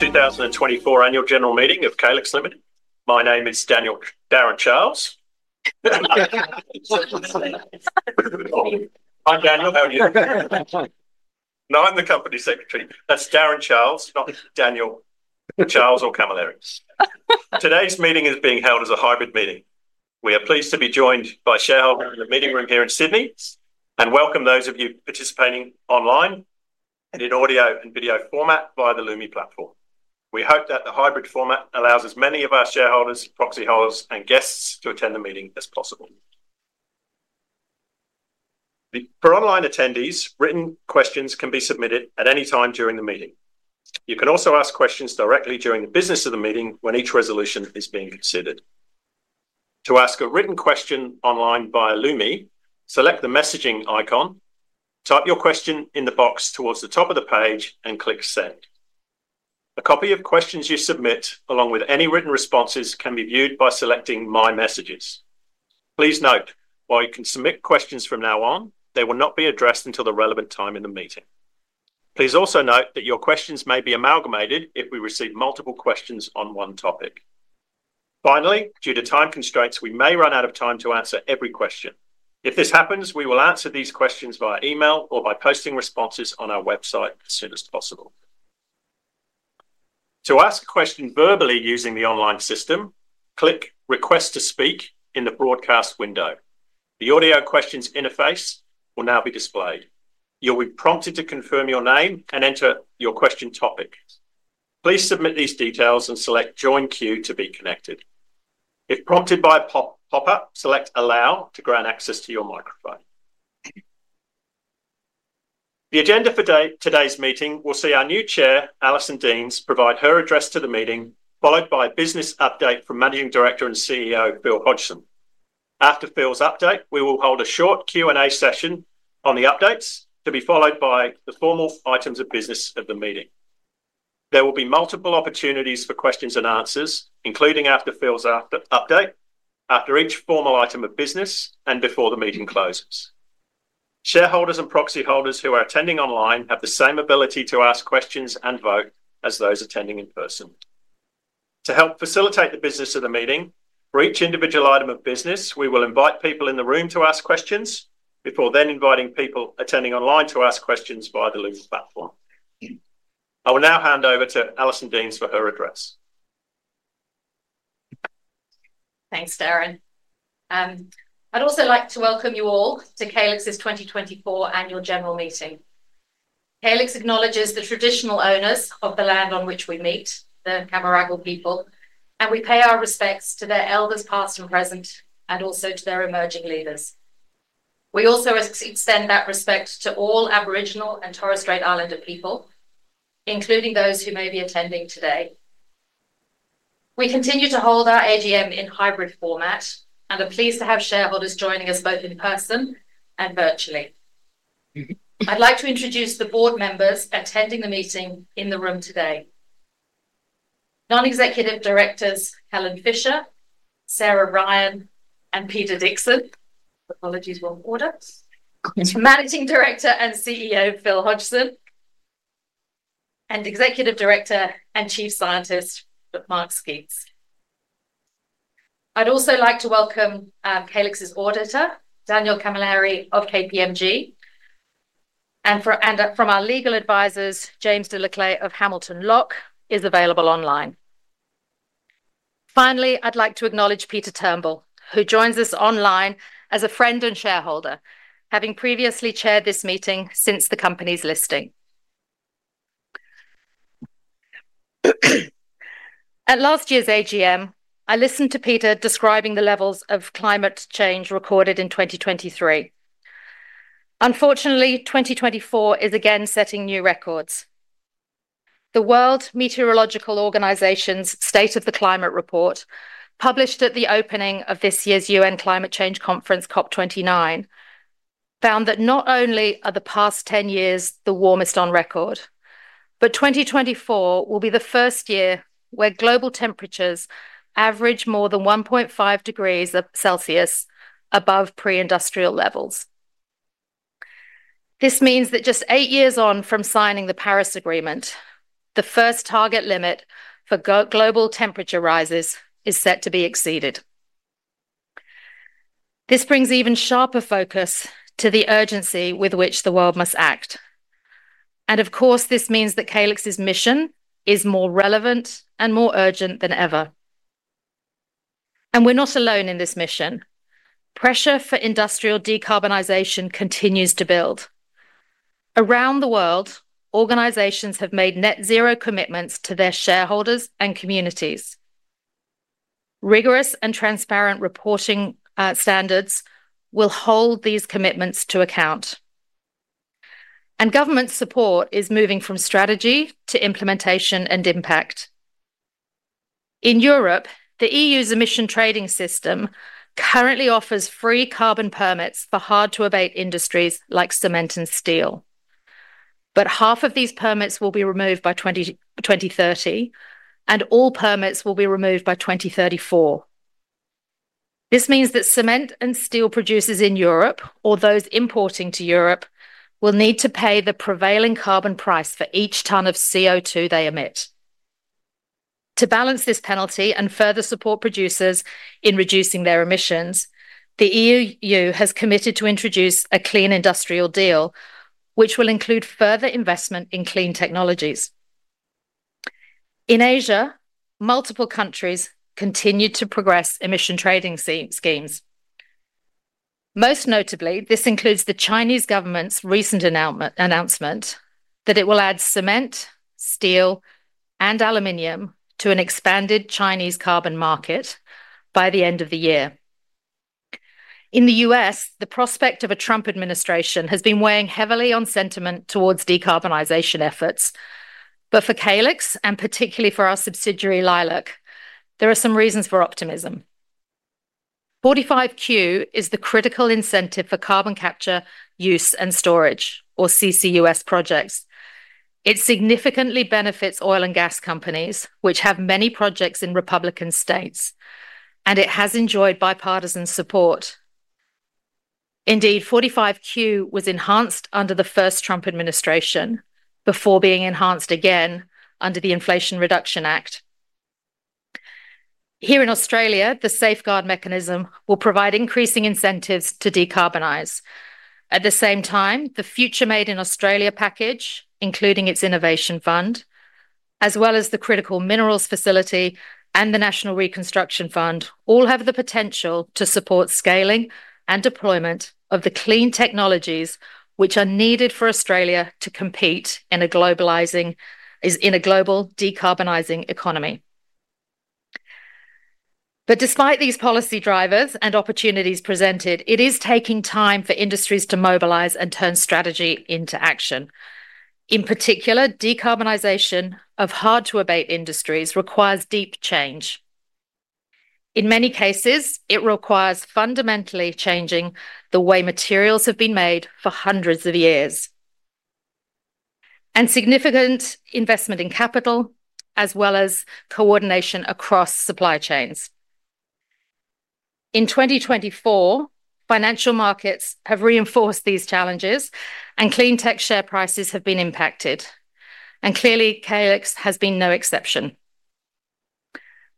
2024 Annual General Meeting of Calix Limited. My name is Darren Charles. I'm Daniel. How are you? No, I'm the company secretary. That's Darren Charles, not Daniel Camilleri. Today's meeting is being held as a hybrid meeting. We are pleased to be joined by shareholders in the meeting room here in Sydney and welcome those of you participating online and in audio and video format via the Lumi platform. We hope that the hybrid format allows as many of our shareholders, proxy holders, and guests to attend the meeting as possible. For online attendees, written questions can be submitted at any time during the meeting. You can also ask questions directly during the business of the meeting when each resolution is being considered. To ask a written question online via Lumi, select the messaging icon, type your question in the box towards the top of the page, and click Send. A copy of questions you submit, along with any written responses, can be viewed by selecting My Messages. Please note while you can submit questions from now on, they will not be addressed until the relevant time in the meeting. Please also note that your questions may be amalgamated if we receive multiple questions on one topic. Finally, due to time constraints, we may run out of time to answer every question. If this happens, we will answer these questions via email or by posting responses on our website as soon as possible. To ask a question verbally using the online system, click Request to Speak in the broadcast window. The audio questions interface will now be displayed. You'll be prompted to confirm your name and enter your question topic. Please submit these details and select Join Queue to be connected. If prompted by a pop-up, select Allow to grant access to your microphone. The agenda for today's meeting will see our new chair, Alison Deans, provide her address to the meeting, followed by a business update from Managing Director and CEO Phil Hodgson. After Phil's update, we will hold a short Q&A session on the updates to be followed by the formal items of business of the meeting. There will be multiple opportunities for questions and answers, including after Phil's update, after each formal item of business, and before the meeting closes. Shareholders and proxy holders who are attending online have the same ability to ask questions and vote as those attending in person. To help facilitate the business of the meeting, for each individual item of business, we will invite people in the room to ask questions before then inviting people attending online to ask questions via the Lumi platform. I will now hand over to Alison Deans for her address. Thanks, Darren. I'd also like to welcome you all to Calix's 2024 Annual General Meeting. Calix acknowledges the traditional owners of the land on which we meet, the Camaragal people, and we pay our respects to their elders past and present, and also to their emerging leaders. We also extend that respect to all Aboriginal and Torres Strait Islander people, including those who may be attending today. We continue to hold our AGM in hybrid format and are pleased to have shareholders joining us both in person and virtually. I'd like to introduce the board members attending the meeting in the room today: Non-executive Directors Helen Fisher, Sarah Ryan, and Peter Dixon. Apologies for the order. Managing Director and CEO Phil Hodgson and Executive Director and Chief Scientist Mark Sceats. I'd also like to welcome Calix's auditor, Daniel Camilleri of KPMG, and from our legal advisors, James Delesclefs of Hamilton Locke, who is available online. Finally, I'd like to acknowledge Peter Turnbull, who joins us online as a friend and shareholder, having previously chaired this meeting since the company's listing. At last year's AGM, I listened to Peter describing the levels of climate change recorded in 2023. Unfortunately, 2024 is again setting new records. The World Meteorological Organization's State of the Climate Report, published at the opening of this year's UN Climate Change Conference, COP29, found that not only are the past 10 years the warmest on record, but 2024 will be the first year where global temperatures average more than 1.5 degrees Celsius above pre-industrial levels. This means that just eight years on from signing the Paris Agreement, the first target limit for global temperature rises is set to be exceeded. This brings even sharper focus to the urgency with which the world must act. And of course, this means that Calix's mission is more relevant and more urgent than ever. And we're not alone in this mission. Pressure for industrial decarbonisation continues to build. Around the world, organizations have made net zero commitments to their shareholders and communities. Rigorous and transparent reporting standards will hold these commitments to account. And government support is moving from strategy to implementation and impact. In Europe, the EU's emissions trading system currently offers free carbon permits for hard-to-abate industries like cement and steel. But half of these permits will be removed by 2030, and all permits will be removed by 2034. This means that cement and steel producers in Europe or those importing to Europe will need to pay the prevailing carbon price for each tonne of CO2 they emit. To balance this penalty and further support producers in reducing their emissions, the EU has committed to introduce a clean industrial deal, which will include further investment in clean technologies. In Asia, multiple countries continue to progress emission trading schemes. Most notably, this includes the Chinese government's recent announcement that it will add cement, steel, and aluminum to an expanded Chinese carbon market by the end of the year. In the U.S., the prospect of a Trump administration has been weighing heavily on sentiment towards decarbonisation efforts. But for Calix, and particularly for our subsidiary Leilac, there are some reasons for optimism. 45Q is the critical incentive for carbon capture, use, and storage, or CCUS projects. It significantly benefits oil and gas companies, which have many projects in Republican states, and it has enjoyed bipartisan support. Indeed, 45Q was enhanced under the first Trump administration before being enhanced again under the Inflation Reduction Act. Here in Australia, the Safeguard Mechanism will provide increasing incentives to decarbonize. At the same time, the Future Made in Australia package, including its innovation fund, as well as the critical minerals facility and the National Reconstruction Fund, all have the potential to support scaling and deployment of the clean technologies which are needed for Australia to compete in a globalizing, global decarbonizing economy. But despite these policy drivers and opportunities presented, it is taking time for industries to mobilise and turn strategy into action. In particular, decarbonisation of hard-to-abate industries requires deep change. In many cases, it requires fundamentally changing the way materials have been made for hundreds of years and significant investment in capital, as well as coordination across supply chains. In 2024, financial markets have reinforced these challenges, and clean tech share prices have been impacted. And clearly, Calix has been no exception.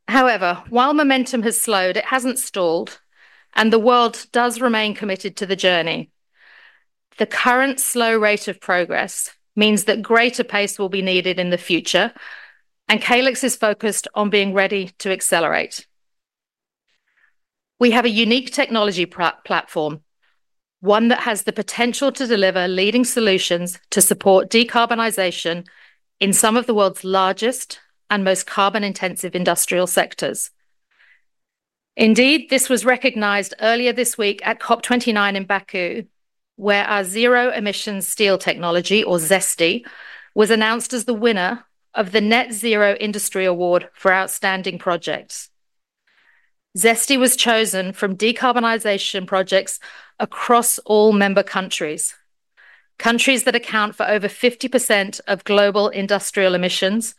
However, while momentum has slowed, it hasn't stalled, and the world does remain committed to the journey. The current slow rate of progress means that greater pace will be needed in the future, and Calix is focused on being ready to accelerate. We have a unique technology platform, one that has the potential to deliver leading solutions to support decarbonisation in some of the world's largest and most carbon-intensive industrial sectors. Indeed, this was recognized earlier this week at COP29 in Baku, where our zero-emission steel technology, or ZESTY, was announced as the winner of the Net Zero Industry Award for outstanding projects. ZESTY was chosen from decarbonisation projects across all member countries, countries that account for over 50% of global industrial emissions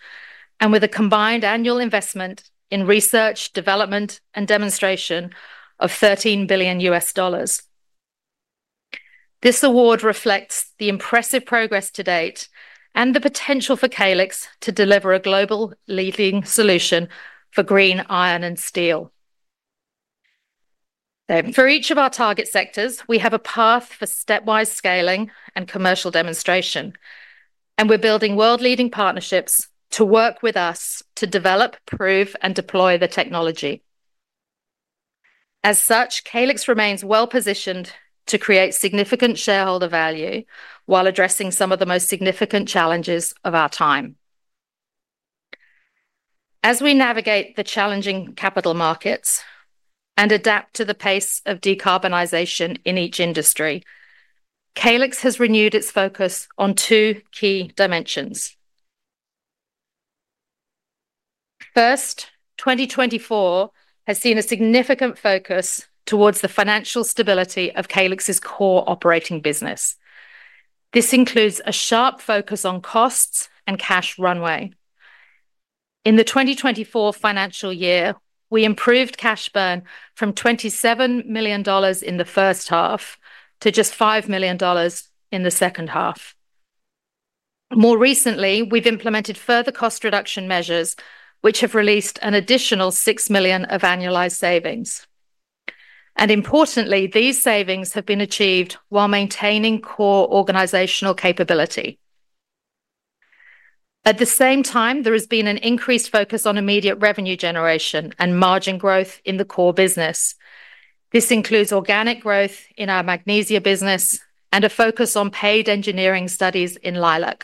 and with a combined annual investment in research, development, and demonstration of $13 billion. This award reflects the impressive progress to date and the potential for Calix to deliver a global leading solution for green iron and steel. For each of our target sectors, we have a path for stepwise scaling and commercial demonstration, and we're building world-leading partnerships to work with us to develop, prove, and deploy the technology. As such, Calix remains well positioned to create significant shareholder value while addressing some of the most significant challenges of our time. As we navigate the challenging capital markets and adapt to the pace of decarbonisation in each industry, Calix has renewed its focus on two key dimensions. First, 2024 has seen a significant focus towards the financial stability of Calix's core operating business. This includes a sharp focus on costs and cash runway. In the 2024 financial year, we improved cash burn from 27 million dollars in the first half to just 5 million dollars in the second half. More recently, we've implemented further cost reduction measures, which have released an additional 6 million of annualized savings. And importantly, these savings have been achieved while maintaining core organizational capability. At the same time, there has been an increased focus on immediate revenue generation and margin growth in the core business. This includes organic growth in our magnesia business and a focus on paid engineering studies in Leilac.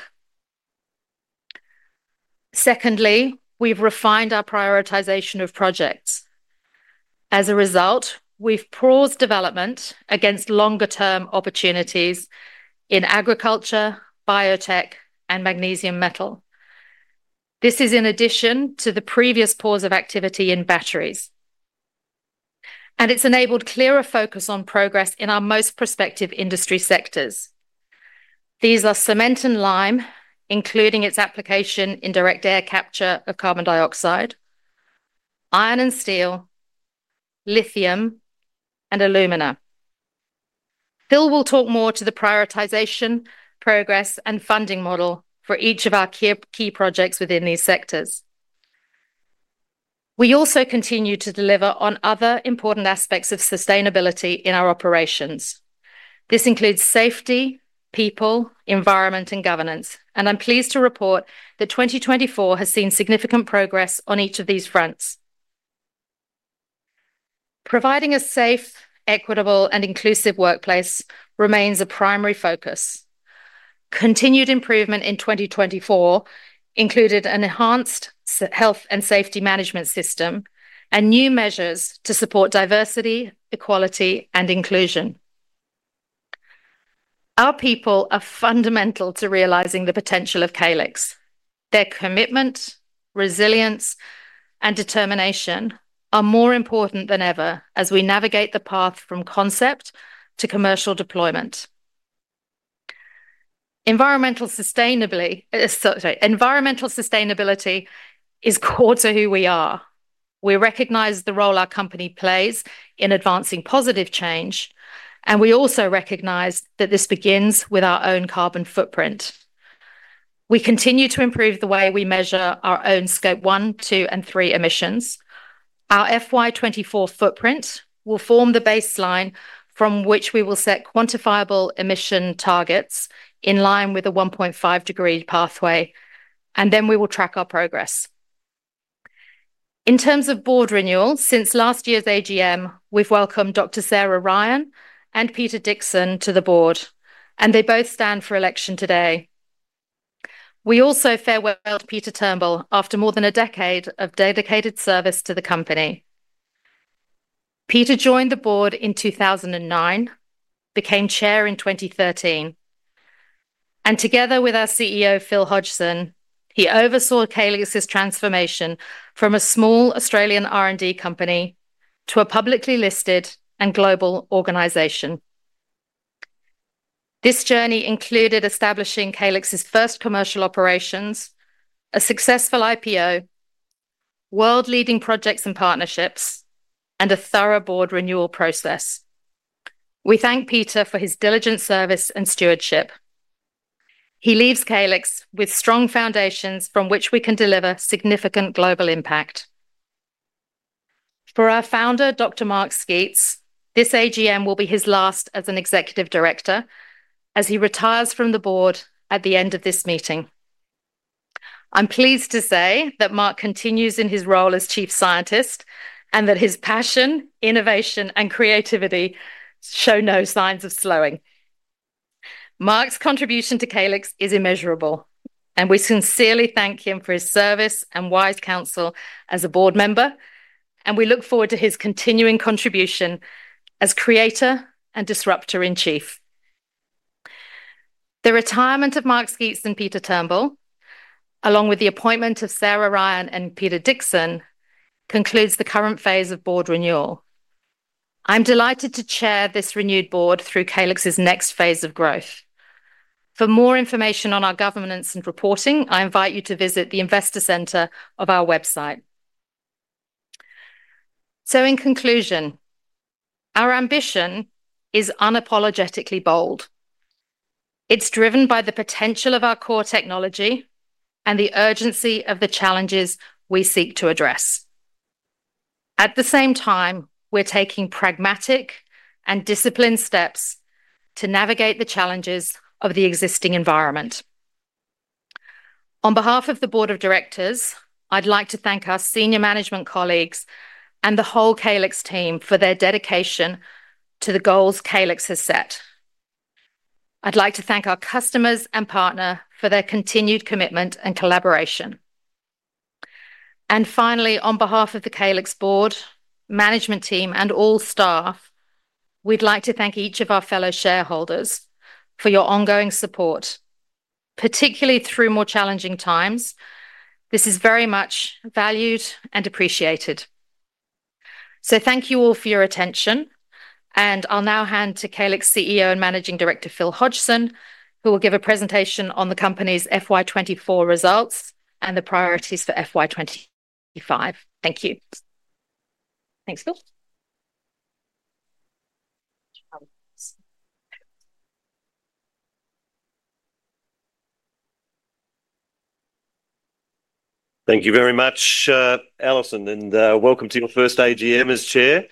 Secondly, we've refined our prioritization of projects. As a result, we've paused development against longer-term opportunities in agriculture, biotech, and magnesium metal. This is in addition to the previous pause of activity in batteries, and it's enabled clearer focus on progress in our most prospective industry sectors. These are cement and lime, including its application in direct air capture of carbon dioxide, iron and steel, lithium, and alumina. Phil will talk more to the prioritization, progress, and funding model for each of our key projects within these sectors. We also continue to deliver on other important aspects of sustainability in our operations. This includes safety, people, environment, and governance, and I'm pleased to report that 2024 has seen significant progress on each of these fronts. Providing a safe, equitable, and inclusive workplace remains a primary focus. Continued improvement in 2024 included an enhanced health and safety management system and new measures to support diversity, equality, and inclusion. Our people are fundamental to realizing the potential of Calix. Their commitment, resilience, and determination are more important than ever as we navigate the path from concept to commercial deployment. Environmental sustainability is core to who we are. We recognize the role our company plays in advancing positive change, and we also recognize that this begins with our own carbon footprint. We continue to improve the way we measure our own Scope 1, 2, and 3 emissions. Our FY24 footprint will form the baseline from which we will set quantifiable emission targets in line with a 1.5 degree pathway, and then we will track our progress. In terms of board renewal, since last year's AGM, we've welcomed Dr. Sarah Ryan and Peter Dickson to the board, and they both stand for election today. We also farewelled Peter Turnbull after more than a decade of dedicated service to the company. Peter joined the board in 2009, became chair in 2013, and together with our CEO, Phil Hodgson, he oversaw Calix's transformation from a small Australian R&D company to a publicly listed and global organization. This journey included establishing Calix's first commercial operations, a successful IPO, world-leading projects and partnerships, and a thorough board renewal process. We thank Peter for his diligent service and stewardship. He leaves Calix with strong foundations from which we can deliver significant global impact. For our founder, Dr. Mark Sceats, this AGM will be his last as an executive director as he retires from the board at the end of this meeting. I'm pleased to say that Mark continues in his role as Chief Scientist and that his passion, innovation, and creativity show no signs of slowing. Mark's contribution to Calix is immeasurable, and we sincerely thank him for his service and wise counsel as a board member, and we look forward to his continuing contribution as creator and disruptor in chief. The retirement of Mark Sceats and Peter Turnbull, along with the appointment of Sarah Ryan and Peter Dickson, concludes the current phase of board renewal. I'm delighted to chair this renewed board through Calix's next phase of growth. For more information on our governance and reporting, I invite you to visit the Investor Centre of our website. So, in conclusion, our ambition is unapologetically bold. It's driven by the potential of our core technology and the urgency of the challenges we seek to address. At the same time, we're taking pragmatic and disciplined steps to navigate the challenges of the existing environment. On behalf of the board of directors, I'd like to thank our senior management colleagues and the whole Calix team for their dedication to the goals Calix has set. I'd like to thank our customers and partners for their continued commitment and collaboration. And finally, on behalf of the Calix board, management team, and all staff, we'd like to thank each of our fellow shareholders for your ongoing support, particularly through more challenging times. This is very much valued and appreciated. So, thank you all for your attention, and I'll now hand to Calix CEO and Managing Director, Phil Hodgson, who will give a presentation on the company's FY24 results and the priorities for FY25. Thank you. Thanks, Phil. Thank you very much, Alison, and welcome to your first AGM as chair,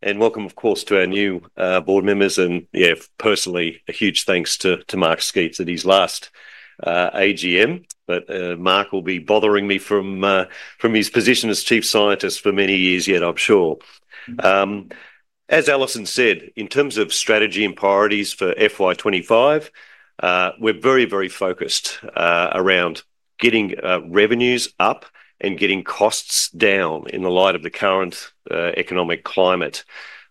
and welcome, of course, to our new board members. And yeah, personally, a huge thanks to Mark Sceats at his last AGM, but Mark will be bothering me from his position as chief scientist for many years yet, I'm sure. As Alison said, in terms of strategy and priorities for FY25, we're very, very focused around getting revenues up and getting costs down in the light of the current economic climate.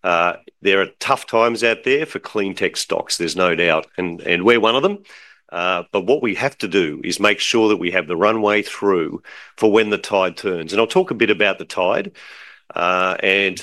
There are tough times out there for clean tech stocks, there's no doubt, and we're one of them. But what we have to do is make sure that we have the runway through for when the tide turns. And I'll talk a bit about the tide and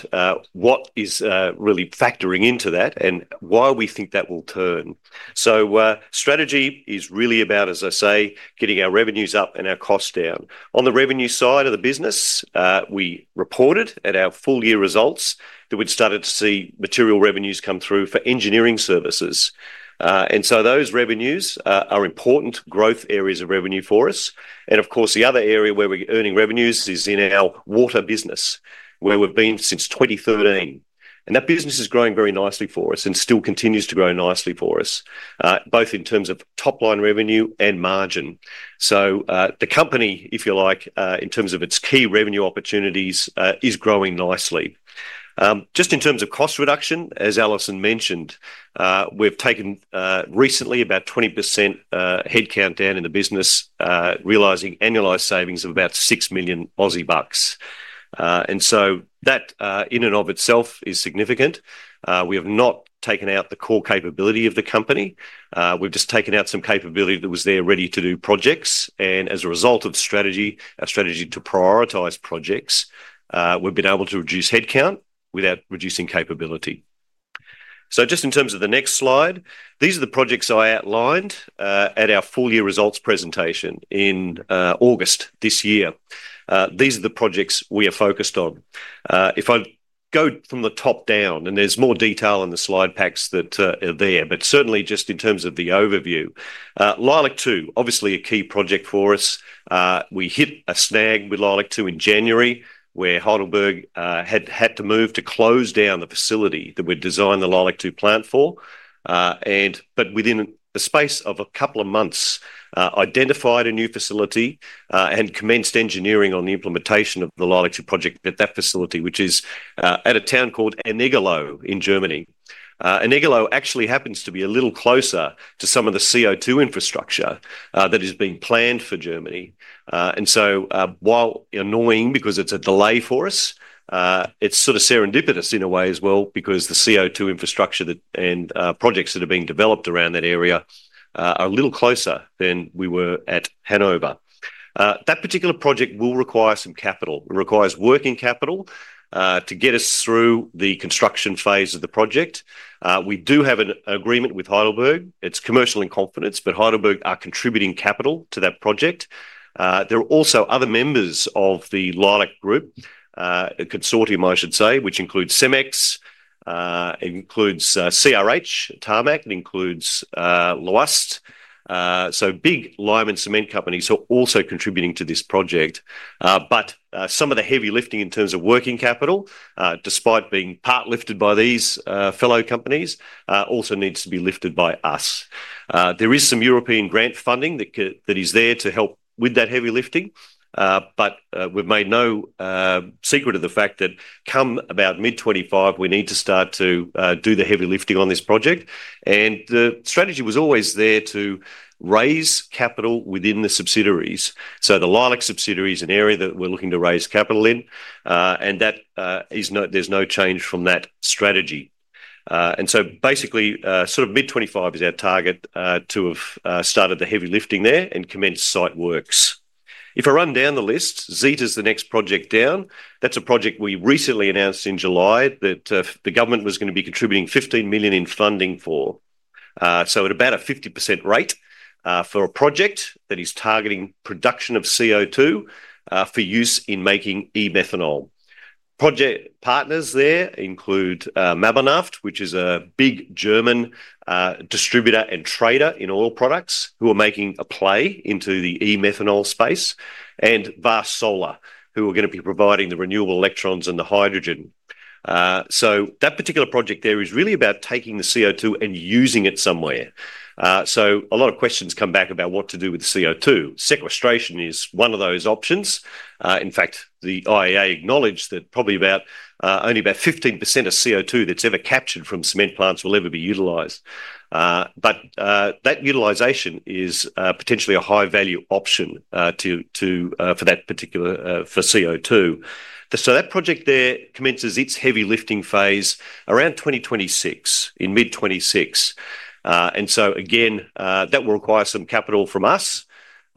what is really factoring into that and why we think that will turn. Strategy is really about, as I say, getting our revenues up and our costs down. On the revenue side of the business, we reported at our full year results that we'd started to see material revenues come through for engineering services. And so, those revenues are important growth areas of revenue for us. And of course, the other area where we're earning revenues is in our water business, where we've been since 2013. And that business is growing very nicely for us and still continues to grow nicely for us, both in terms of topline revenue and margin. The company, if you like, in terms of its key revenue opportunities, is growing nicely. Just in terms of cost reduction, as Alison mentioned, we've taken recently about 20% headcount down in the business, realizing annualized savings of about 6 million Aussie bucks. And so, that in and of itself is significant. We have not taken out the core capability of the company. We've just taken out some capability that was there ready to do projects. And as a result of strategy, a strategy to prioritize projects, we've been able to reduce headcount without reducing capability. So, just in terms of the next slide, these are the projects I outlined at our full year results presentation in August this year. These are the projects we are focused on. If I go from the top down, and there's more detail in the slide packs that are there, but certainly just in terms of the overview, Leilac 2, obviously a key project for us. We hit a snag with Leilac 2 in January where Heidelberg had to move to close down the facility that we'd designed the Leilac 2 plant for. But within a space of a couple of months, identified a new facility and commenced engineering on the implementation of the Leilac-2 project at that facility, which is at a town called Ennigerloh in Germany. Ennigerloh actually happens to be a little closer to some of the CO2 infrastructure that is being planned for Germany. And so, while annoying because it's a delay for us, it's sort of serendipitous in a way as well, because the CO2 infrastructure and projects that are being developed around that area are a little closer than we were at Hanover. That particular project will require some capital. It requires working capital to get us through the construction phase of the project. We do have an agreement with Heidelberg. It's commercial in confidence, but Heidelberg are contributing capital to that project. There are also other members of the Leilac group, a consortium, I should say, which includes Cemex, includes CRH, Tarmac, includes Lhoist. So, big lime and cement companies are also contributing to this project. But some of the heavy lifting in terms of working capital, despite being part lifted by these fellow companies, also needs to be lifted by us. There is some European grant funding that is there to help with that heavy lifting, but we've made no secret of the fact that come about mid-2025, we need to start to do the heavy lifting on this project. The strategy was always there to raise capital within the subsidiaries. So, the Leilac subsidiary is an area that we're looking to raise capital in, and there's no change from that strategy. And so, basically, sort of mid-2025 is our target to have started the heavy lifting there and commenced site works. If I run down the list, ZESTY is the next project down. That's a project we recently announced in July that the government was going to be contributing 15 million in funding for. So, at about a 50% rate for a project that is targeting production of CO2 for use in making e-methanol. Project partners there include Mabanaft, which is a big German distributor and trader in oil products who are making a play into the e-methanol space, and Vast Solar, who are going to be providing the renewable electrons and the hydrogen. So, that particular project there is really about taking the CO2 and using it somewhere. So, a lot of questions come back about what to do with the CO2. Sequestration is one of those options. In fact, the IEA acknowledged that probably only about 15% of CO2 that's ever captured from cement plants will ever be utilized. But that utilization is potentially a high-value option for that particular CO2. So, that project there commences its heavy lifting phase around 2026, in mid-2026. And so, again, that will require some capital from us,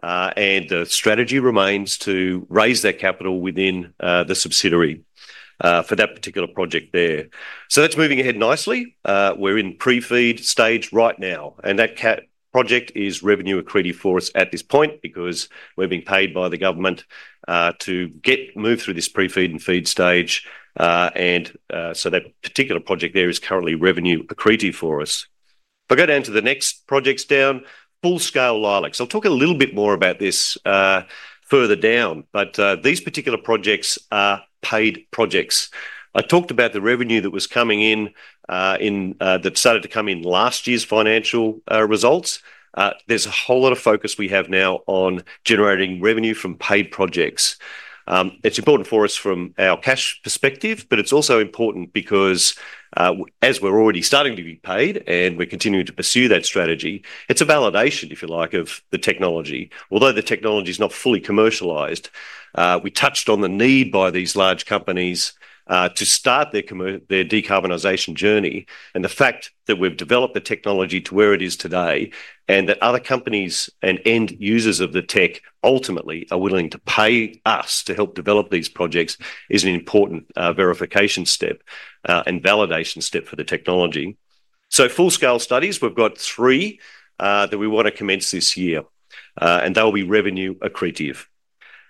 and the strategy remains to raise that capital within the subsidiary for that particular project there. So, that's moving ahead nicely. We're in pre-feed stage right now, and that project is revenue accretive for us at this point because we're being paid by the government to move through this pre-feed and feed stage. And so, that particular project there is currently revenue accretive for us. If I go down to the next projects down, full-scale Leilac. I'll talk a little bit more about this further down, but these particular projects are paid projects. I talked about the revenue that was coming in that started to come in last year's financial results. There's a whole lot of focus we have now on generating revenue from paid projects. It's important for us from our cash perspective, but it's also important because as we're already starting to be paid and we're continuing to pursue that strategy, it's a validation, if you like, of the technology. Although the technology is not fully commercialized, we touched on the need by these large companies to start their decarbonisation journey. And the fact that we've developed the technology to where it is today and that other companies and end users of the tech ultimately are willing to pay us to help develop these projects is an important verification step and validation step for the technology. So, full-scale studies, we've got three that we want to commence this year, and they'll be revenue accretive.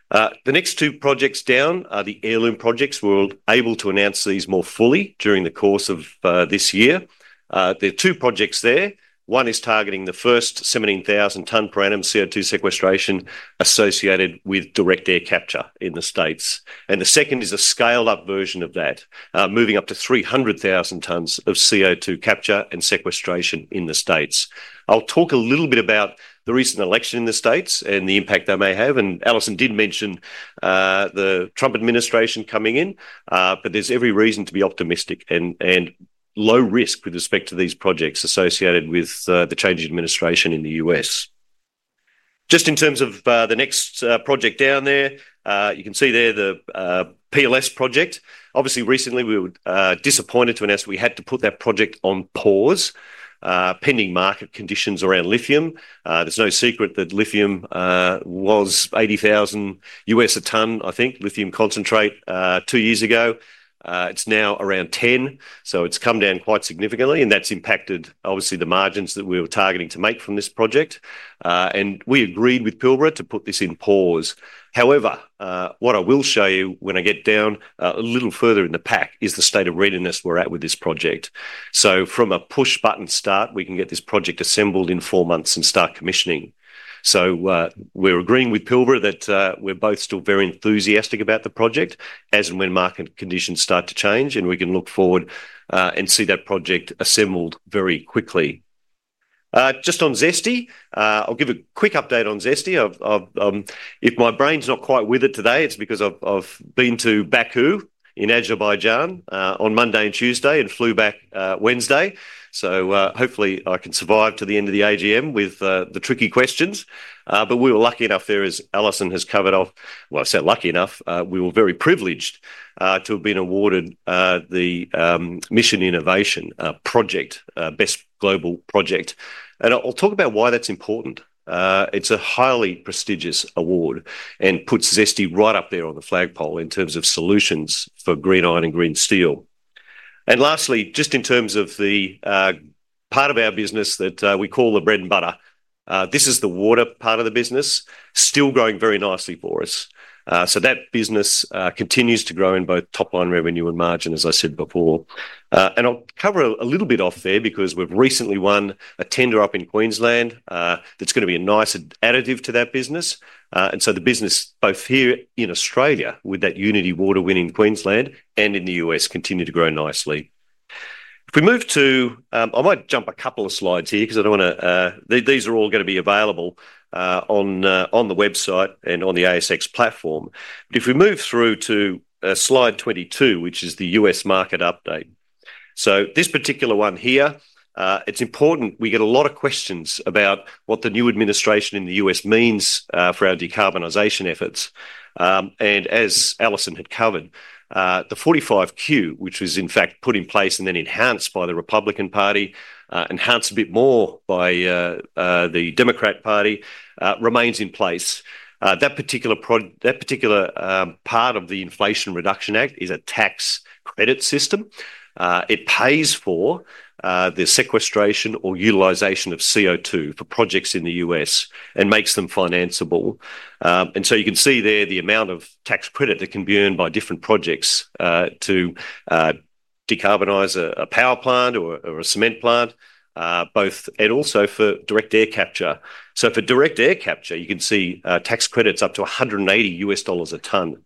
The next two projects down are the Heirloom projects. We're able to announce these more fully during the course of this year. There are two projects there. One is targeting the first 17,000-ton per annum CO2 sequestration associated with direct air capture in the States. And the second is a scaled-up version of that, moving up to 300,000 tons of CO2 capture and sequestration in the States. I'll talk a little bit about the recent election in the States and the impact that may have. Alison did mention the Trump administration coming in, but there's every reason to be optimistic and low risk with respect to these projects associated with the change in administration in the US. Just in terms of the next project down there, you can see there the PLS project. Obviously, recently, we were disappointed to announce we had to put that project on pause pending market conditions around lithium. There's no secret that lithium was $80,000 a tonne, I think, lithium concentrate two years ago. It's now around 10, so it's come down quite significantly, and that's impacted, obviously, the margins that we were targeting to make from this project. And we agreed with Pilbara to put this in pause. However, what I will show you when I get down a little further in the pack is the state of readiness we're at with this project. So, from a push-button start, we can get this project assembled in four months and start commissioning. So, we're agreeing with Pilbara that we're both still very enthusiastic about the project as and when market conditions start to change, and we can look forward and see that project assembled very quickly. Just on ZESTY, I'll give a quick update on ZESTY. If my brain's not quite with it today, it's because I've been to Baku in Azerbaijan on Monday and Tuesday and flew back Wednesday. So, hopefully, I can survive to the end of the AGM with the tricky questions. But we were lucky enough there, as Alison has covered off. Well, I said lucky enough. We were very privileged to have been awarded the Mission Innovation Project, Best Global Project. And I'll talk about why that's important. It's a highly prestigious award and puts ZESTY right up there on the flagpole in terms of solutions for green iron and green steel. And lastly, just in terms of the part of our business that we call the bread and butter, this is the water part of the business still growing very nicely for us. So, that business continues to grow in both topline revenue and margin, as I said before. And I'll cover a little bit off there because we've recently won a tender up in Queensland that's going to be a nice additive to that business. And so, the business both here in Australia with that Unity Water win in Queensland and in the US continue to grow nicely. If we move to, I might jump a couple of slides here because I don't want to, these are all going to be available on the website and on the ASX platform. But if we move through to slide 22, which is the U.S. market update. So, this particular one here, it's important we get a lot of questions about what the new administration in the U.S. means for our decarbonisation efforts. And as Alison had covered, the 45Q, which was in fact put in place and then enhanced by the Republican Party, enhanced a bit more by the Democrat Party, remains in place. That particular part of the Inflation Reduction Act is a tax credit system. It pays for the sequestration or utilization of CO2 for projects in the U.S. and makes them financeable. And so, you can see there the amount of tax credit that can be earned by different projects to decarbonize a power plant or a cement plant, both and also for direct air capture. So, for direct air capture, you can see tax credits up to $180 a tonne.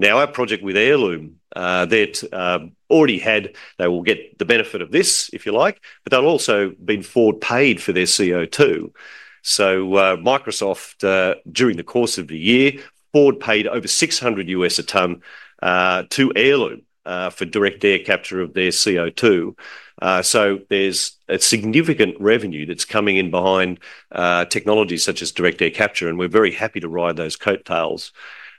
Now, our project with Heirloom, they've already had, they will get the benefit of this, if you like, but they'll also be forward paid for their CO2. So, Microsoft, during the course of the year, forward paid over $600 a tonne to Heirloom for direct air capture of their CO2. So, there's a significant revenue that's coming in behind technologies such as direct air capture, and we're very happy to ride those coattails.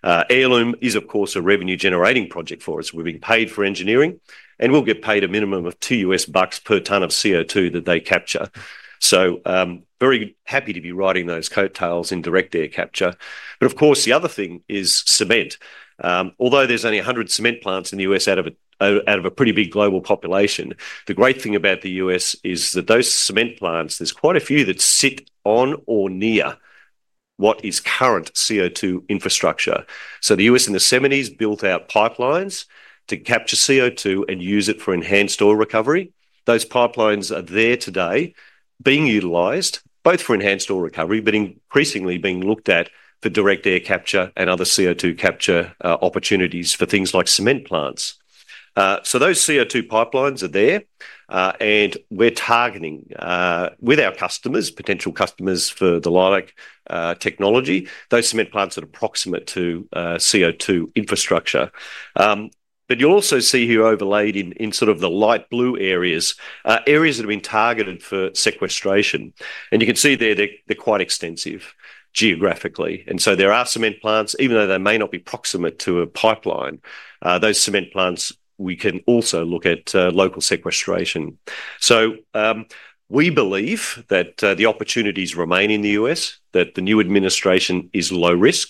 Heirloom is, of course, a revenue-generating project for us. We've been paid for engineering, and we'll get paid a minimum of $2 per ton of CO2 that they capture, so very happy to be riding those coattails in direct air capture, but of course, the other thing is cement. Although there's only 100 cement plants in the US out of a pretty big global population, the great thing about the US is that those cement plants, there's quite a few that sit on or near what is current CO2 infrastructure, so the US in the 1970s built out pipelines to capture CO2 and use it for enhanced oil recovery. Those pipelines are there today, being utilized both for enhanced oil recovery, but increasingly being looked at for direct air capture and other CO2 capture opportunities for things like cement plants. So, those CO2 pipelines are there, and we're targeting with our customers, potential customers for the Leilac technology, those cement plants that are proximate to CO2 infrastructure. But you'll also see here overlaid in sort of the light blue areas, areas that have been targeted for sequestration. And you can see there they're quite extensive geographically. And so, there are cement plants, even though they may not be proximate to a pipeline. Those cement plants, we can also look at local sequestration. So, we believe that the opportunities remain in the U.S., that the new administration is low risk,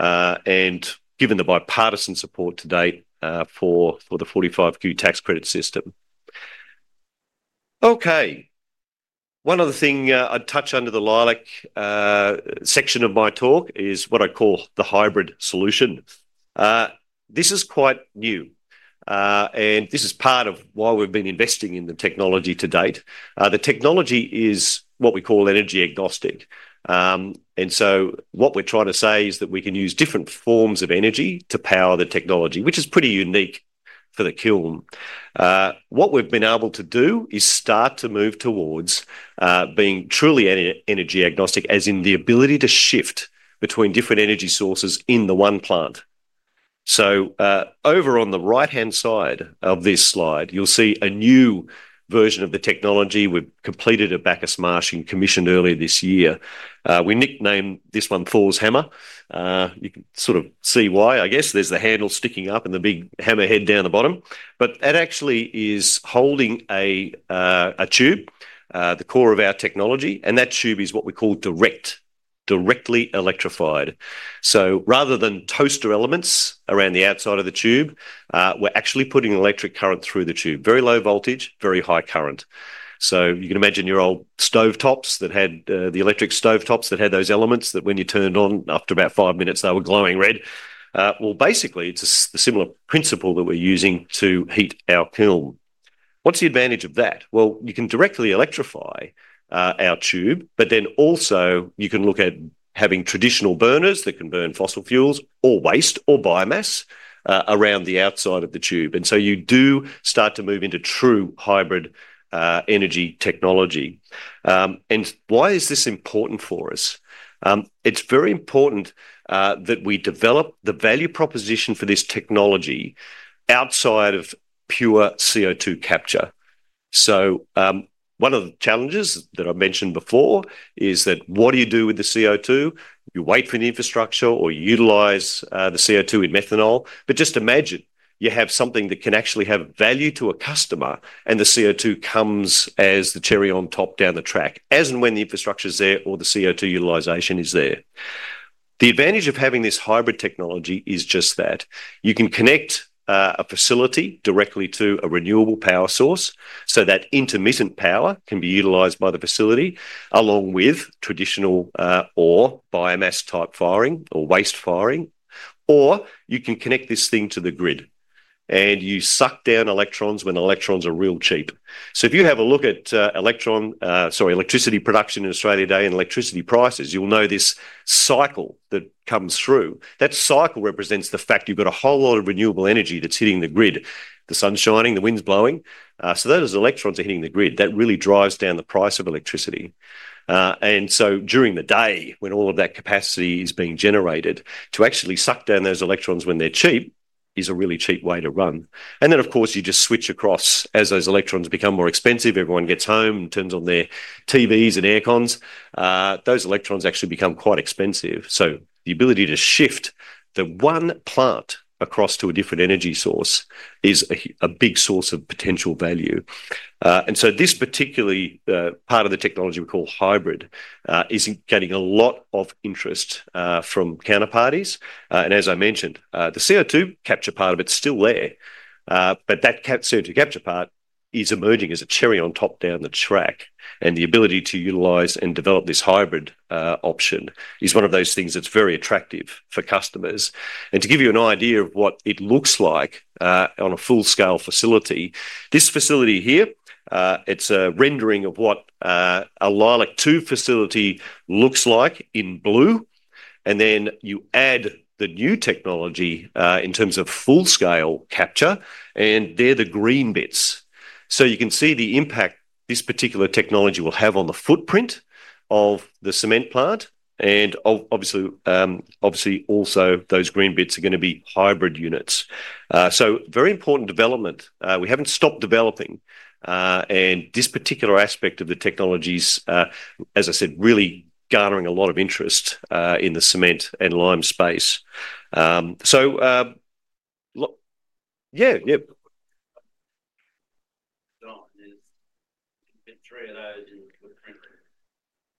and given the bipartisan support to date for the 45Q tax credit system. Okay. One other thing I'd touch under the Leilac section of my talk is what I call the hybrid solution. This is quite new, and this is part of why we've been investing in the technology to date. The technology is what we call energy agnostic, and so, what we're trying to say is that we can use different forms of energy to power the technology, which is pretty unique for the kiln. What we've been able to do is start to move towards being truly energy agnostic, as in the ability to shift between different energy sources in the one plant, so over on the right-hand side of this slide, you'll see a new version of the technology. We've completed at Bacchus Marsh and commissioned earlier this year. We nicknamed this one Thor's Hammer. You can sort of see why, I guess. There's the handle sticking up and the big hammer head down the bottom, but that actually is holding a tube, the core of our technology, and that tube is what we call direct, directly electrified. So, rather than toaster elements around the outside of the tube, we're actually putting electric current through the tube. Very low voltage, very high current. So, you can imagine your old stovetops that had the electric elements that when you turned on after about five minutes, they were glowing red. Well, basically, it's a similar principle that we're using to heat our kiln. What's the advantage of that? Well, you can directly electrify our tube, but then also you can look at having traditional burners that can burn fossil fuels or waste or biomass around the outside of the tube. And so, you do start to move into true hybrid energy technology. And why is this important for us? It's very important that we develop the value proposition for this technology outside of pure CO2 capture. So, one of the challenges that I mentioned before is that what do you do with the CO2? You wait for the infrastructure or you utilize the CO2 in methanol. But just imagine you have something that can actually have value to a customer, and the CO2 comes as the cherry on top down the track, as and when the infrastructure is there or the CO2 utilization is there. The advantage of having this hybrid technology is just that you can connect a facility directly to a renewable power source so that intermittent power can be utilized by the facility along with traditional or biomass type firing or waste firing, or you can connect this thing to the grid and you suck down electrons when electrons are real cheap. So, if you have a look at electricity production in Australia today and electricity prices, you'll know this cycle that comes through. That cycle represents the fact you've got a whole lot of renewable energy that's hitting the grid. The sun's shining, the wind's blowing. So, those electrons are hitting the grid. That really drives down the price of electricity. And so, during the day when all of that capacity is being generated, to actually suck down those electrons when they're cheap is a really cheap way to run. And then, of course, you just switch across. As those electrons become more expensive, everyone gets home and turns on their TVs and aircons. Those electrons actually become quite expensive. So, the ability to shift the one plant across to a different energy source is a big source of potential value. And so, this particularly part of the technology we call hybrid is getting a lot of interest from counterparties. And as I mentioned, the CO2 capture part of it's still there, but that CO2 capture part is emerging as a cherry on top down the track. And the ability to utilize and develop this hybrid option is one of those things that's very attractive for customers. And to give you an idea of what it looks like on a full-scale facility, this facility here, it's a rendering of what a Leilac 2 facility looks like in blue. And then you add the new technology in terms of full-scale capture, and they're the green bits. So, you can see the impact this particular technology will have on the footprint of the cement plant. And obviously, also those green bits are going to be hybrid units. So, very important development. We haven't stopped developing. And this particular aspect of the technology is, as I said, really garnering a lot of interest in the cement and lime space. So, yeah, yeah.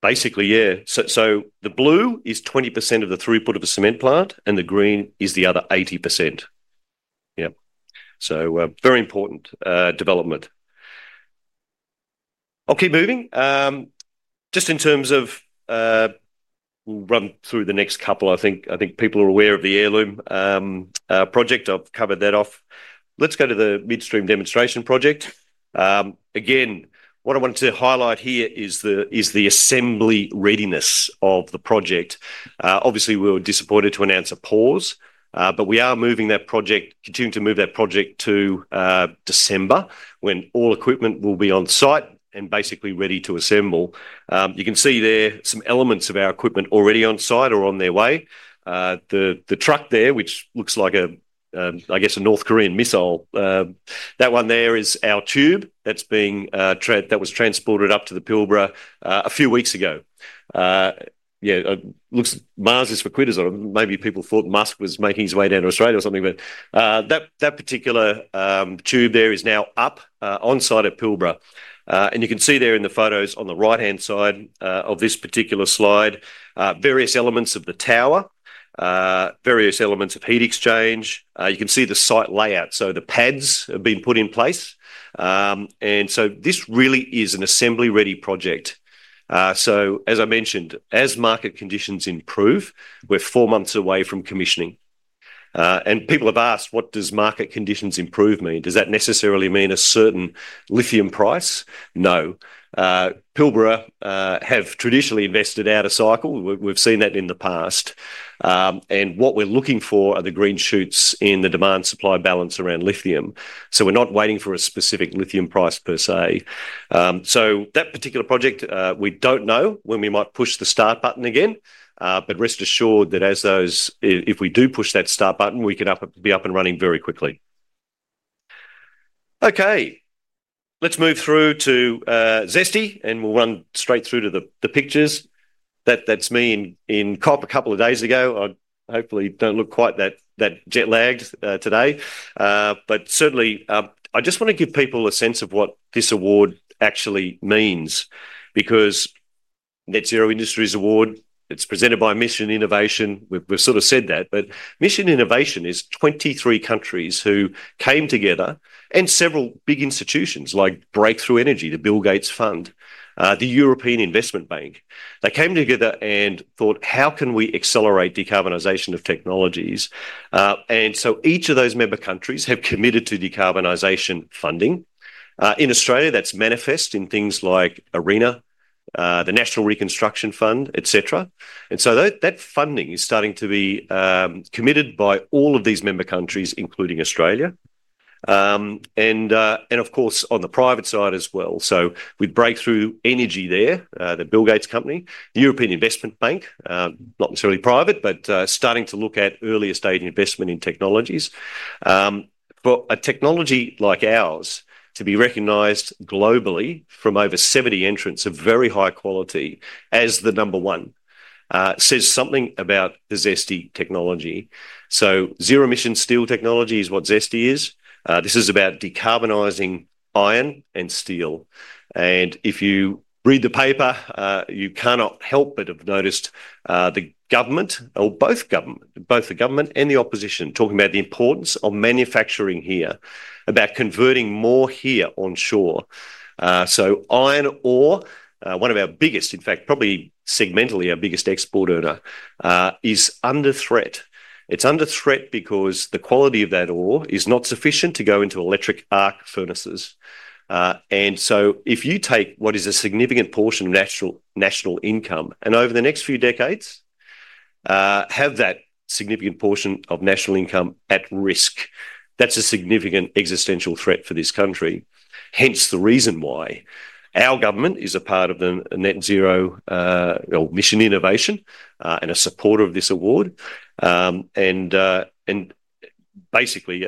Basically, yeah. So, the blue is 20% of the throughput of a cement plant, and the green is the other 80%. Yeah. So, very important development. I'll keep moving. Just in terms of, we'll run through the next couple. I think people are aware of the Heirloom project. I've covered that off. Let's go to the Midstream Demonstration Project. Again, what I wanted to highlight here is the assembly readiness of the project. Obviously, we were disappointed to announce a pause, but we are moving that project, continuing to move that project to December when all equipment will be on site and basically ready to assemble. You can see there some elements of our equipment already on site or on their way. The truck there, which looks like, I guess, a North Korean missile, that one there is our tube that was transported up to the Pilbara a few weeks ago. Yeah, Mars is for quitters on it. Maybe people thought Musk was making his way down to Australia or something, but that particular tube there is now up on site at Pilbara. And you can see there in the photos on the right-hand side of this particular slide, various elements of the tower, various elements of heat exchange. You can see the site layout. So, the pads have been put in place. And so, this really is an assembly-ready project. So, as I mentioned, as market conditions improve, we're four months away from commissioning. And people have asked, what does market conditions improve mean? Does that necessarily mean a certain lithium price? No. Pilbara have traditionally invested out of cycle. We've seen that in the past. And what we're looking for are the green shoots in the demand-supply balance around lithium. So, we're not waiting for a specific lithium price per se. So, that particular project, we don't know when we might push the start button again. But rest assured that if we do push that start button, we can be up and running very quickly. Okay. Let's move through to ZESTY, and we'll run straight through to the pictures. That's me in COP a couple of days ago. I hopefully don't look quite that jet-lagged today. But certainly, I just want to give people a sense of what this award actually means because Net Zero Industry Award, it's presented by Mission Innovation. We've sort of said that, but Mission Innovation is 23 countries who came together and several big institutions like Breakthrough Energy, the Bill Gates Fund, the European Investment Bank. They came together and thought, how can we accelerate decarbonisation of technologies? Each of those member countries have committed to decarbonisation funding. In Australia, that's manifest in things like ARENA, the National Reconstruction Fund, etc. That funding is starting to be committed by all of these member countries, including Australia. Of course, on the private side as well. With Breakthrough Energy there, the Bill Gates Company, the European Investment Bank, not necessarily private, but starting to look at early-stage investment in technologies. For a technology like ours to be recognized globally from over 70 entrants of very high quality as the number one says something about the ZESTY technology. Zero-emission steel technology is what ZESTY is. This is about decarbonizing iron and steel. If you read the paper, you cannot help but have noticed the government, or both the government and the opposition, talking about the importance of manufacturing here, about converting more here onshore. Iron ore, one of our biggest, in fact, probably segmentally our biggest export earner, is under threat. It's under threat because the quality of that ore is not sufficient to go into electric arc furnaces. If you take what is a significant portion of national income and over the next few decades have that significant portion of national income at risk, that's a significant existential threat for this country. Hence the reason why our government is a part of the Net Zero or Mission Innovation and a supporter of this award. Basically,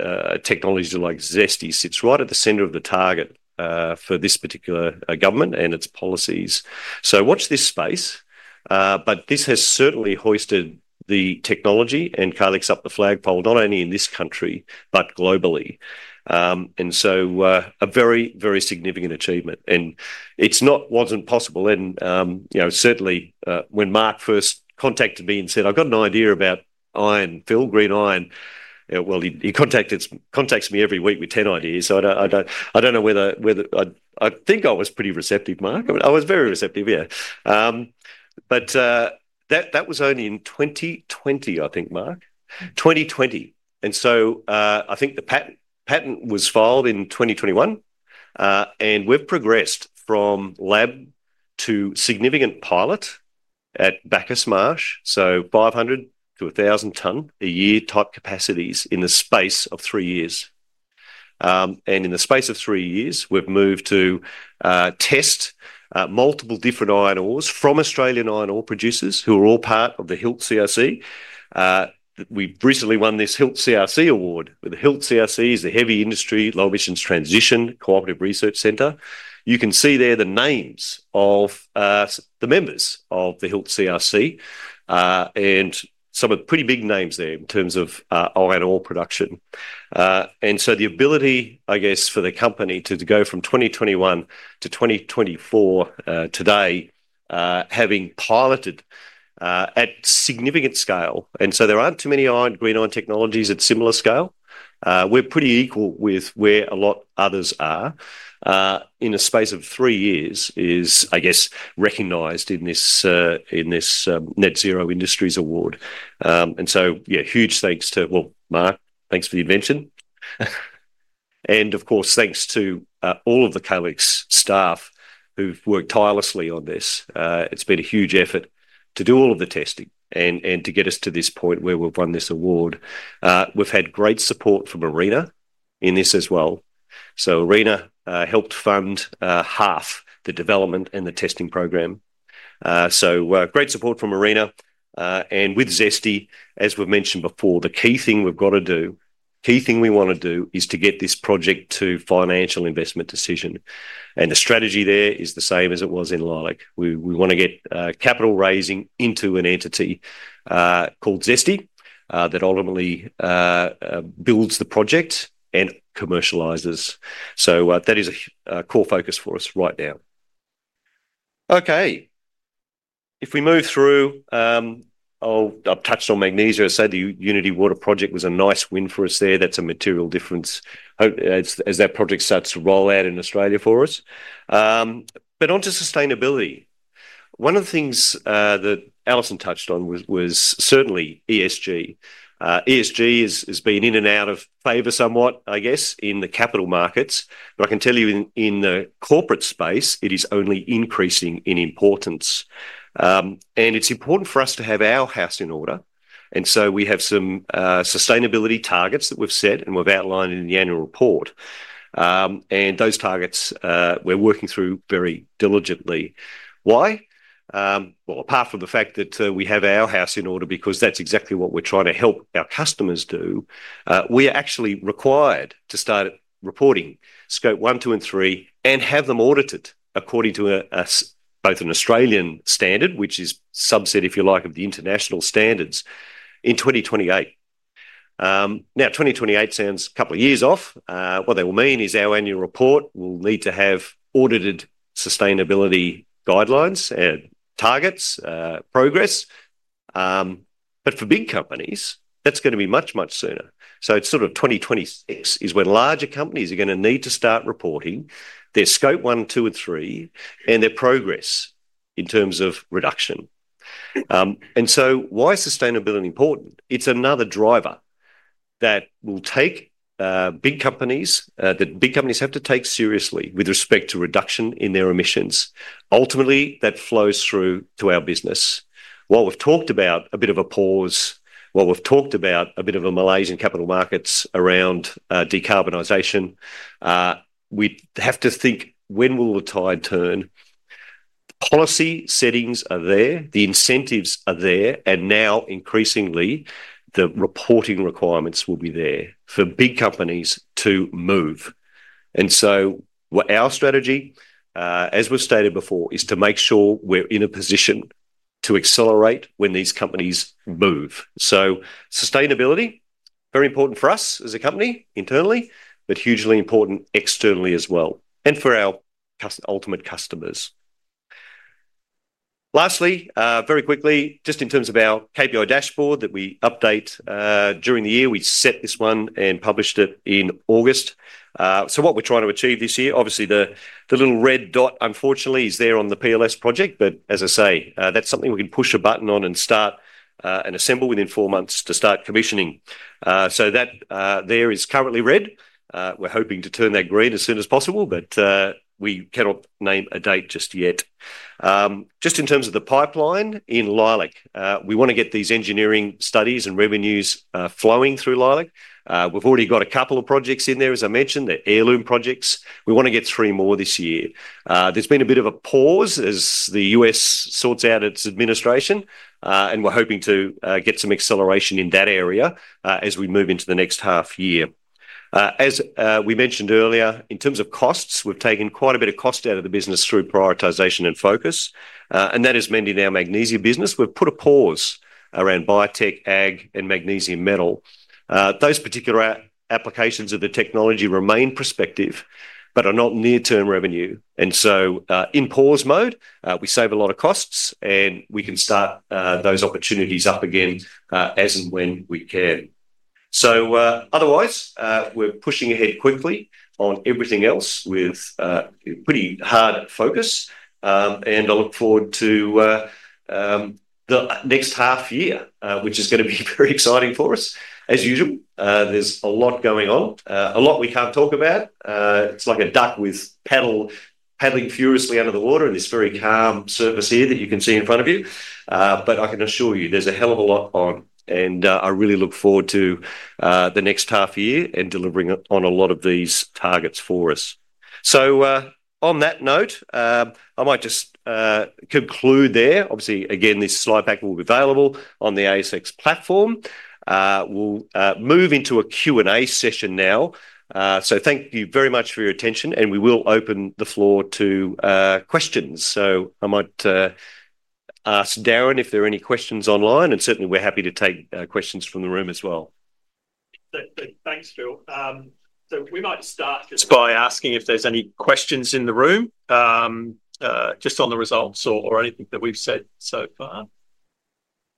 technologies like ZESTY sit right at the center of the target for this particular government and its policies. So, watch this space. But this has certainly hoisted the technology and Calix up the flagpole not only in this country but globally. And so, a very, very significant achievement. And it wasn't possible then. Certainly, when Mark first contacted me and said, "I've got an idea about iron, Phil, green iron." Well, he contacts me every week with 10 ideas. So, I don't know whether I think I was pretty receptive, Mark. I was very receptive, yeah. But that was only in 2020, I think, Mark. 2020. And so, I think the patent was filed in 2021. And we've progressed from lab to significant pilot at Bacchus Marsh. So, 500-1,000 tons a year type capacities in the space of three years. In the space of three years, we've moved to test multiple different iron ores from Australian iron ore producers who are all part of the HILT CRC. We've recently won this HILT CRC award. The HILT CRC is the Heavy Industry Low-Emissions Transition Cooperative Research Centre. You can see there the names of the members of the HILT CRC and some of the pretty big names there in terms of iron ore production. The ability, I guess, for the company to go from 2021 to 2024 today, having piloted at significant scale. There aren't too many green iron technologies at similar scale. We're pretty equal with where a lot others are in a space of three years is, I guess, recognized in this Net Zero Industry Award. Yeah, huge thanks to, well, Mark, thanks for the invention. And of course, thanks to all of the Calix staff who've worked tirelessly on this. It's been a huge effort to do all of the testing and to get us to this point where we've won this award. We've had great support from ARENA in this as well. So, ARENA helped fund half the development and the testing program. So, great support from ARENA. And with ZESTY, as we've mentioned before, the key thing we've got to do, key thing we want to do is to get this project to financial investment decision. And the strategy there is the same as it was in Leilac. We want to get capital raising into an entity called ZESTY that ultimately builds the project and commercializes. So, that is a core focus for us right now. Okay. If we move through, I've touched on magnesium. I said the Unitywater Project was a nice win for us there. That's a material difference as that project starts to roll out in Australia for us. But onto sustainability. One of the things that Alison touched on was certainly ESG. ESG has been in and out of favor somewhat, I guess, in the capital markets. But I can tell you in the corporate space, it is only increasing in importance. And it's important for us to have our house in order. And so, we have some sustainability targets that we've set and we've outlined in the annual report. And those targets we're working through very diligently. Why? Apart from the fact that we have our house in order, because that's exactly what we're trying to help our customers do, we are actually required to start reporting scope one, two, and three and have them audited according to both an Australian standard, which is subset, if you like, of the international standards in 2028. Now, 2028 sounds a couple of years off. What they will mean is our annual report will need to have audited sustainability guidelines and targets, progress. But for big companies, that's going to be much, much sooner. So, it's sort of 2026 is when larger companies are going to need to start reporting their scope one, two, and three, and their progress in terms of reduction. And so, why is sustainability important? It's another driver that big companies have to take seriously with respect to reduction in their emissions. Ultimately, that flows through to our business. While we've talked about a bit of a pause, while we've talked about a bit of malaise in capital markets around decarbonisation, we have to think when will the tide turn. Policy settings are there. The incentives are there. And now, increasingly, the reporting requirements will be there for big companies to move. Our strategy, as we've stated before, is to make sure we're in a position to accelerate when these companies move. Sustainability is very important for us as a company internally, but hugely important externally as well, and for our ultimate customers. Lastly, very quickly, just in terms of our KPI dashboard that we update during the year, we set this one and published it in August. So, what we're trying to achieve this year, obviously, the little red dot, unfortunately, is there on the PLS project. But as I say, that's something we can push a button on and start and assemble within four months to start commissioning. So, that there is currently red. We're hoping to turn that green as soon as possible, but we cannot name a date just yet. Just in terms of the pipeline in Leilac, we want to get these engineering studies and revenues flowing through Leilac. We've already got a couple of projects in there, as I mentioned, the Heirloom projects. We want to get three more this year. There's been a bit of a pause as the U.S. sorts out its administration, and we're hoping to get some acceleration in that area as we move into the next half year. As we mentioned earlier, in terms of costs, we've taken quite a bit of cost out of the business through prioritization and focus, and that has meant in our magnesium business, we've put a pause around biotech, ag, and magnesium metal. Those particular applications of the technology remain prospective but are not near-term revenue. And so, in pause mode, we save a lot of costs, and we can start those opportunities up again as and when we can. Otherwise, we're pushing ahead quickly on everything else with pretty hard focus. I look forward to the next half year, which is going to be very exciting for us. As usual, there's a lot going on, a lot we can't talk about. It's like a duck with paddling furiously under the water in this very calm surface here that you can see in front of you. But I can assure you there's a hell of a lot on. And I really look forward to the next half year and delivering on a lot of these targets for us. So, on that note, I might just conclude there. Obviously, again, this slide pack will be available on the ASX platform. We'll move into a Q&A session now. So, thank you very much for your attention, and we will open the floor to questions. So, I might ask Darren if there are any questions online, and certainly, we're happy to take questions from the room as well. Thanks, Phil. So, we might start by asking if there's any questions in the room just on the results or anything that we've said so far.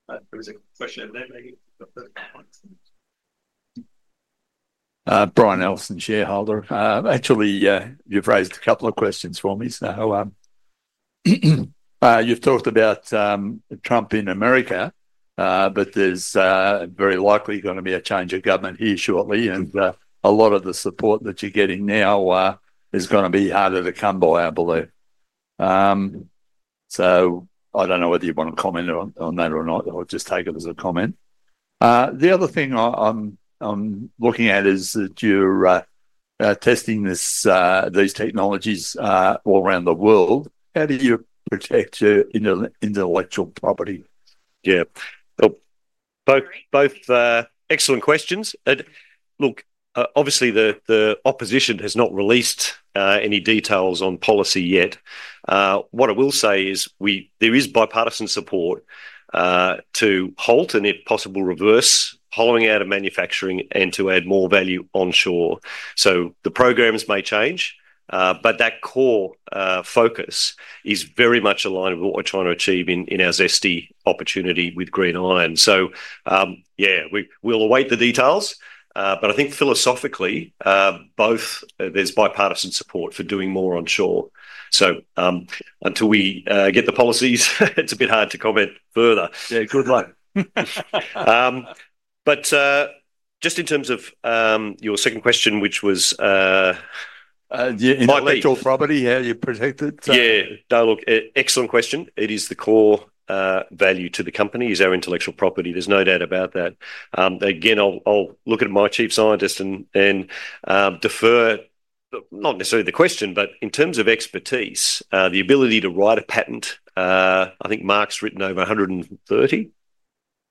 There was a question over there, maybe. Brian Ellison, shareholder. Actually, you've raised a couple of questions for me now. You've talked about Trump in America, but there's very likely going to be a change of government here shortly. And a lot of the support that you're getting now is going to be harder to come by, I believe. So, I don't know whether you want to comment on that or not. I'll just take it as a comment. The other thing I'm looking at is that you're testing these technologies all around the world. How do you protect your intellectual property? Yeah. Both excellent questions. Look, obviously, the opposition has not released any details on policy yet. What I will say is there is bipartisan support to halt and, if possible, reverse hollowing out of manufacturing and to add more value onshore. So, the programs may change, but that core focus is very much aligned with what we're trying to achieve in our ZESTY opportunity with green iron. So, yeah, we'll await the details. But I think philosophically, both there's bipartisan support for doing more onshore. Until we get the policies, it's a bit hard to comment further. Yeah, good luck. But just in terms of your second question, which was bipartisan. Intellectual property, how do you protect it? Yeah. No, look, excellent question. It is the core value to the company is our intellectual property. There's no doubt about that. Again, I'll look at my Chief Scientist and defer not necessarily the question, but in terms of expertise, the ability to write a patent. I think Mark's written over 130,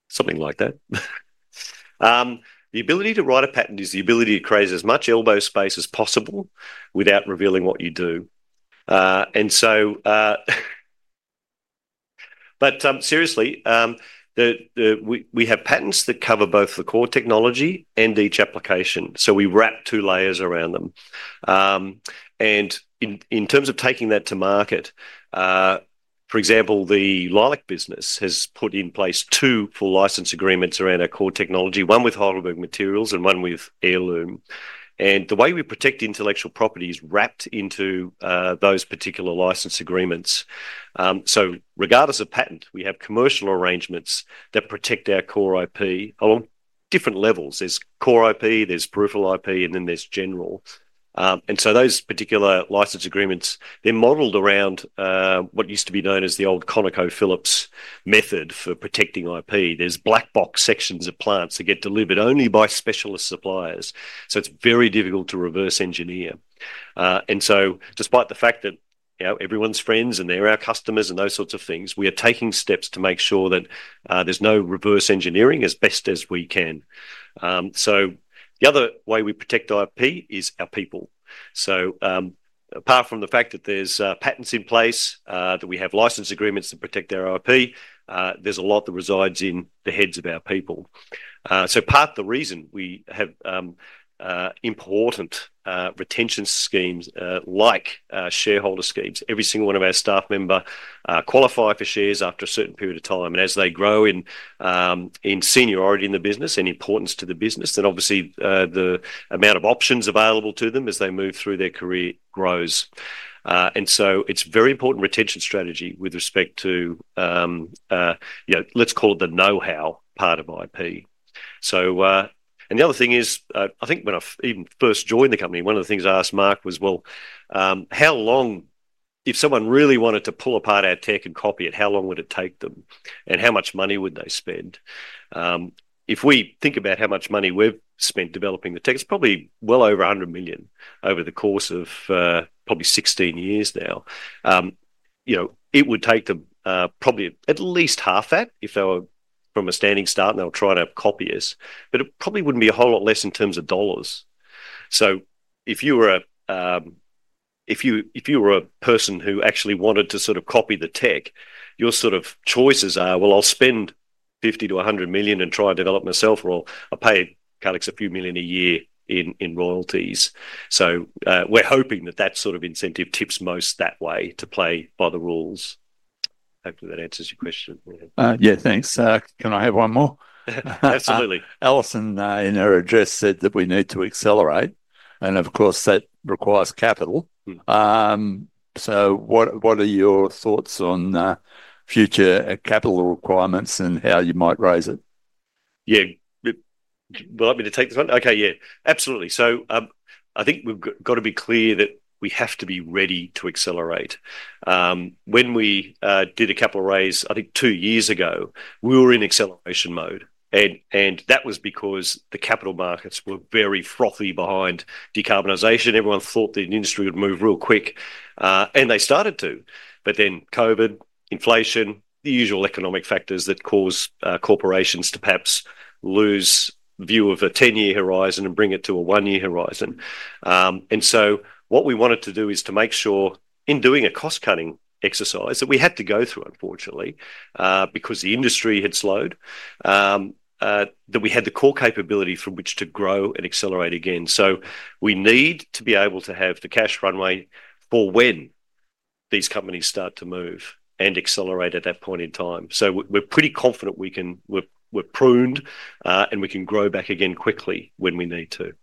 something like that. The ability to write a patent is the ability to create as much elbow space as possible without revealing what you do. And so, but seriously, we have patents that cover both the core technology and each application. So, we wrap two layers around them. And in terms of taking that to market, for example, the Leilac business has put in place two full license agreements around our core technology, one with Heidelberg Materials and one with Heirloom. And the way we protect intellectual property is wrapped into those particular license agreements. So, regardless of patent, we have commercial arrangements that protect our core IP on different levels. There's core IP, there's peripheral IP, and then there's general. And so, those particular license agreements, they're modeled around what used to be known as the old ConocoPhillips method for protecting IP. There's black box sections of plants that get delivered only by specialist suppliers. So, it's very difficult to reverse engineer. And so, despite the fact that everyone's friends and they're our customers and those sorts of things, we are taking steps to make sure that there's no reverse engineering as best as we can. So, the other way we protect IP is our people. So, apart from the fact that there's patents in place, that we have license agreements to protect our IP, there's a lot that resides in the heads of our people. So, part of the reason we have important retention schemes like shareholder schemes. Every single one of our staff members qualifies for shares after a certain period of time. And as they grow in seniority in the business and importance to the business, then obviously, the amount of options available to them as they move through their career grows. And so, it's very important retention strategy with respect to, let's call it the know-how part of IP. So, and the other thing is, I think when I even first joined the company, one of the things I asked Mark was, well, how long, if someone really wanted to pull apart our tech and copy it, how long would it take them? And how much money would they spend? If we think about how much money we've spent developing the tech, it's probably well over 100 million over the course of probably 16 years now. It would take them probably at least half that if they were from a standing start and they were trying to copy us. But it probably wouldn't be a whole lot less in terms of dollars. So, if you were a person who actually wanted to sort of copy the tech, your sort of choices are, well, I'll spend 50-100 million and try and develop myself, or I'll pay Calix a few million a year in royalties. So, we're hoping that that sort of incentive tips most that way to play by the rules. Hopefully, that answers your question. Yeah, thanks. Can I have one more? Absolutely. Alison in her address said that we need to accelerate. And of course, that requires capital. So, what are your thoughts on future capital requirements and how you might raise it? Yeah. Would you like me to take this one? Okay, yeah. Absolutely. So, I think we've got to be clear that we have to be ready to accelerate. When we did a capital raise, I think two years ago, we were in acceleration mode. That was because the capital markets were very frothy behind decarbonisation. Everyone thought the industry would move real quick. They started to. But then COVID, inflation, the usual economic factors that cause corporations to perhaps lose view of a 10-year horizon and bring it to a one-year horizon. What we wanted to do is to make sure in doing a cost-cutting exercise that we had to go through, unfortunately, because the industry had slowed, that we had the core capability from which to grow and accelerate again. We need to be able to have the cash runway for when these companies start to move and accelerate at that point in time. We're pretty confident we're pruned and we can grow back again quickly when we need to.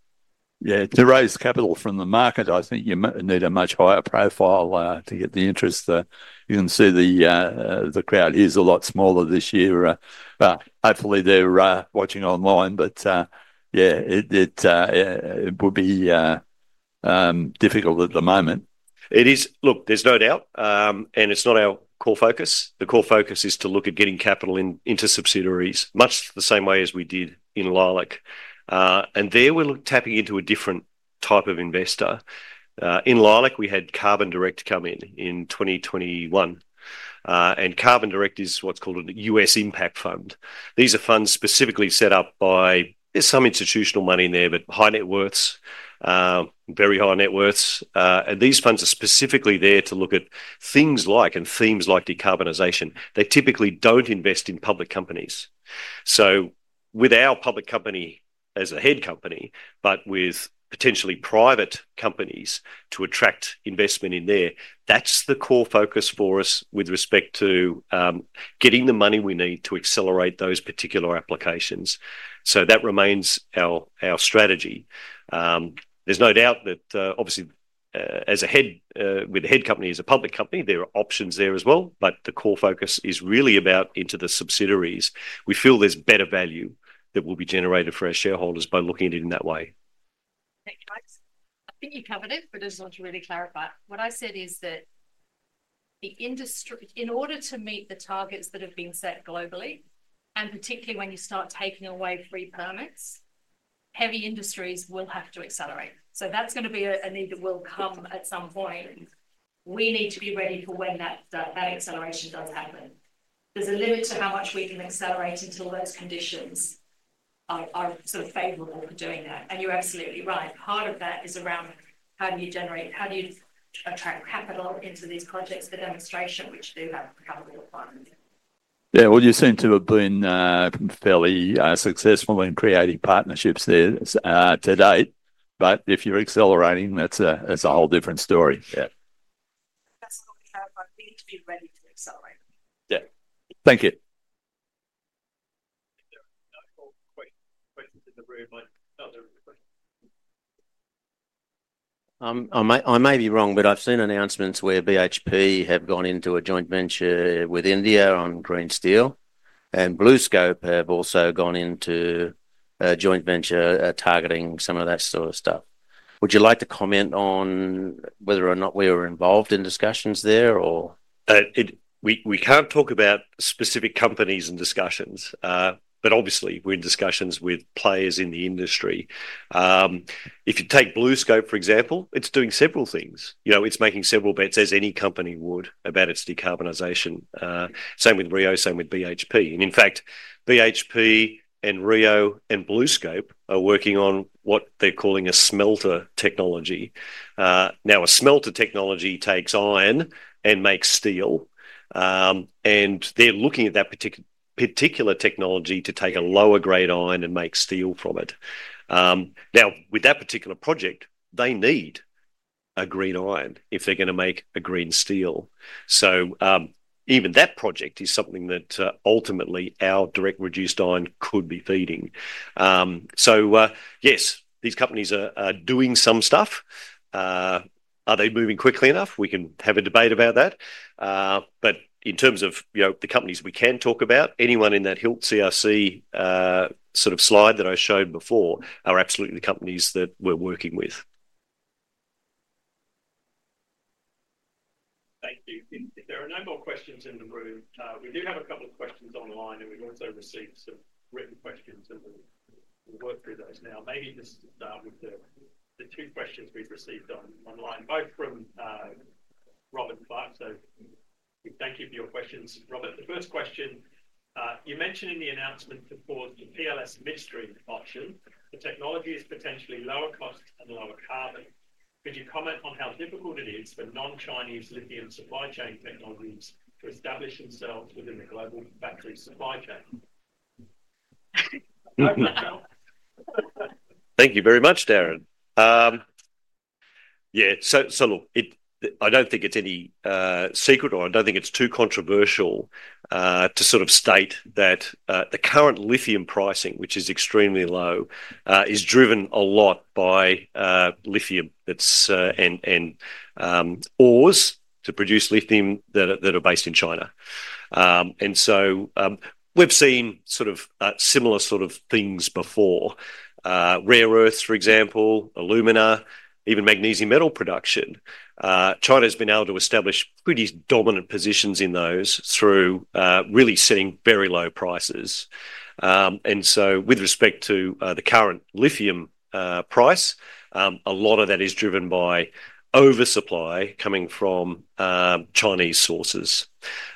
Yeah. To raise capital from the market, I think you need a much higher profile to get the interest. You can see the crowd here is a lot smaller this year. But hopefully, they're watching online. But yeah, it would be difficult at the moment. It is. Look, there's no doubt. And it's not our core focus. The core focus is to look at getting capital into subsidiaries much the same way as we did in Leilac. And there, we're tapping into a different type of investor. In Leilac, we had Carbon Direct come in in 2021. And Carbon Direct is what's called a U.S. impact fund. These are funds specifically set up by. There's some institutional money in there, but high net worths, very high net worths. And these funds are specifically there to look at things like and themes like decarbonisation. They typically don't invest in public companies. So, with our public company as a head company, but with potentially private companies to attract investment in there, that's the core focus for us with respect to getting the money we need to accelerate those particular applications. So, that remains our strategy. There's no doubt that, obviously, with a head company as a public company, there are options there as well. But the core focus is really about into the subsidiaries. We feel there's better value that will be generated for our shareholders by looking at it in that way. Thanks, Alex. I think you covered it, but there's a lot to really clarify. What I said is that in order to meet the targets that have been set globally, and particularly when you start taking away free permits, heavy industries will have to accelerate. So, that's going to be a need that will come at some point. We need to be ready for when that acceleration does happen. There's a limit to how much we can accelerate until those conditions are sort of favorable for doing that. And you're absolutely right. Part of that is around how do you generate, how do you attract capital into these projects for demonstration, which do have capital requirements. Yeah. Well, you seem to have been fairly successful in creating partnerships there to date. But if you're accelerating, that's a whole different story. Yeah. That's what we have. We need to be ready to accelerate. Yeah. Thank you. I may be wrong, but I've seen announcements where BHP have gone into a joint venture with India on green steel. And BlueScope have also gone into a joint venture targeting some of that sort of stuff. Would you like to comment on whether or not we were involved in discussions there, or? We can't talk about specific companies in discussions, but obviously, we're in discussions with players in the industry. If you take BlueScope, for example, it's doing several things. It's making several bets as any company would about its decarbonisation. Same with Rio, same with BHP, and in fact, BHP and Rio and BlueScope are working on what they're calling a smelter technology. Now, a smelter technology takes iron and makes steel, and they're looking at that particular technology to take a lower-grade iron and make steel from it. Now, with that particular project, they need a green iron if they're going to make a green steel, so even that project is something that ultimately our direct reduced iron could be feeding. Yes, these companies are doing some stuff. Are they moving quickly enough? We can have a debate about that. But in terms of the companies we can talk about, anyone in that HILT CRC sort of slide that I showed before are absolutely the companies that we're working with. Thank you. If there are no more questions in the room, we do have a couple of questions online, and we've also received some written questions, and we'll work through those now. Maybe just to start with the two questions we've received online, both from Robert Clark. So, thank you for your questions. Robert, the first question. You mentioned in the announcement to exercise the PLS Midstream Option, the technology is potentially lower cost and lower carbon. Could you comment on how difficult it is for non-Chinese lithium supply chain technologies to establish themselves within the global battery supply chain? Thank you very much, Darren. Yeah. So, look, I don't think it's any secret, or I don't think it's too controversial to sort of state that the current lithium pricing, which is extremely low, is driven a lot by lithium and ores to produce lithium that are based in China. And so, we've seen sort of similar sort of things before. Rare earths, for example, alumina, even magnesium metal production, China has been able to establish pretty dominant positions in those through really setting very low prices. And so, with respect to the current lithium price, a lot of that is driven by oversupply coming from Chinese sources.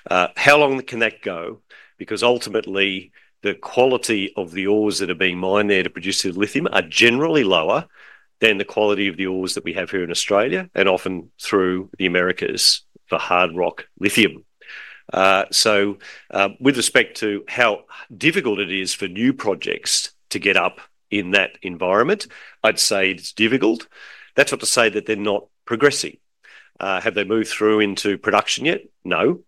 How long can that go? Because ultimately, the quality of the ores that are being mined there to produce the lithium are generally lower than the quality of the ores that we have here in Australia and often through the Americas for hard rock lithium. With respect to how difficult it is for new projects to get up in that environment, I'd say it's difficult. That's not to say that they're not progressing. Have they moved through into production yet? No.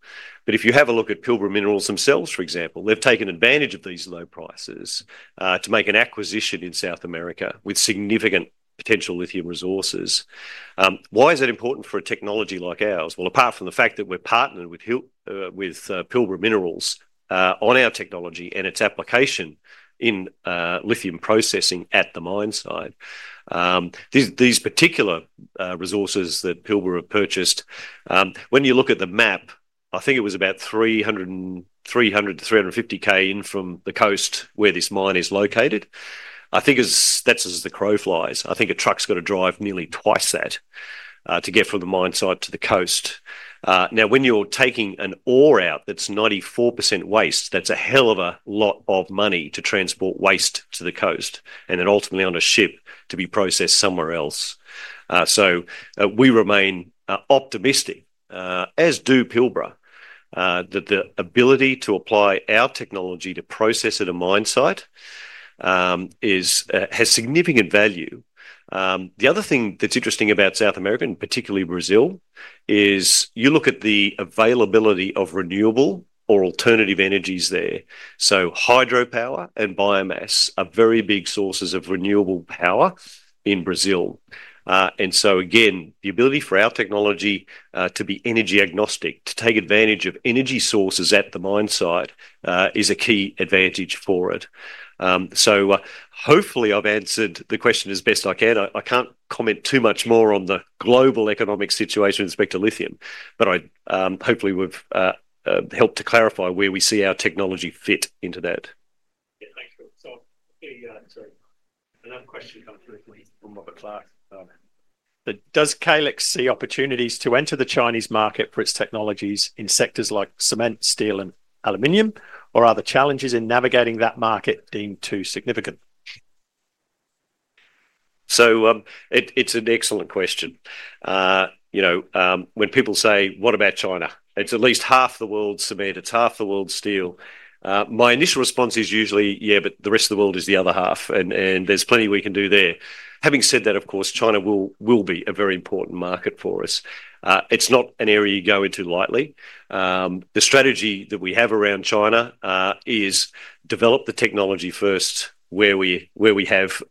But if you have a look at Pilbara Minerals themselves, for example, they've taken advantage of these low prices to make an acquisition in South America with significant potential lithium resources. Why is that important for a technology like ours? Well, apart from the fact that we're partnered with Pilbara Minerals on our technology and its application in lithium processing at the mine site, these particular resources that Pilbara have purchased, when you look at the map, I think it was about 300-350 km in from the coast where this mine is located. I think that's as the crow flies. I think a truck's got to drive nearly twice that to get from the mine site to the coast. Now, when you're taking an ore out that's 94% waste, that's a hell of a lot of money to transport waste to the coast and then ultimately on a ship to be processed somewhere else. So, we remain optimistic, as do Pilbara, that the ability to apply our technology to process at a mine site has significant value. The other thing that's interesting about South America, and particularly Brazil, is you look at the availability of renewable or alternative energies there. So, hydropower and biomass are very big sources of renewable power in Brazil. And so, again, the ability for our technology to be energy agnostic, to take advantage of energy sources at the mine site is a key advantage for it. So, hopefully, I've answered the question as best I can. I can't comment too much more on the global economic situation with respect to lithium, but I hopefully would have helped to clarify where we see our technology fit into that. Yeah. Thanks, Phil. Sorry. Another question comes from Robert Clark. Does Calix see opportunities to enter the Chinese market for its technologies in sectors like cement, steel, and aluminum, or are the challenges in navigating that market deemed too significant? So, it's an excellent question. When people say, "What about China?" It's at least half the world's cement. It's half the world's steel. My initial response is usually, "Yeah, but the rest of the world is the other half, and there's plenty we can do there." Having said that, of course, China will be a very important market for us. It's not an area you go into lightly. The strategy that we have around China is develop the technology first where we have,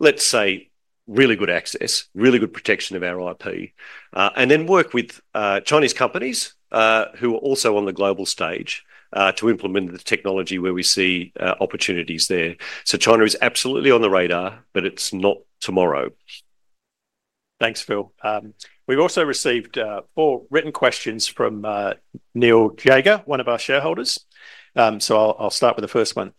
let's say, really good access, really good protection of our IP, and then work with Chinese companies who are also on the global stage to implement the technology where we see opportunities there. So, China is absolutely on the radar, but it's not tomorrow. Thanks, Phil. We've also received four written questions from Neil Jager, one of our shareholders. So, I'll start with the first one.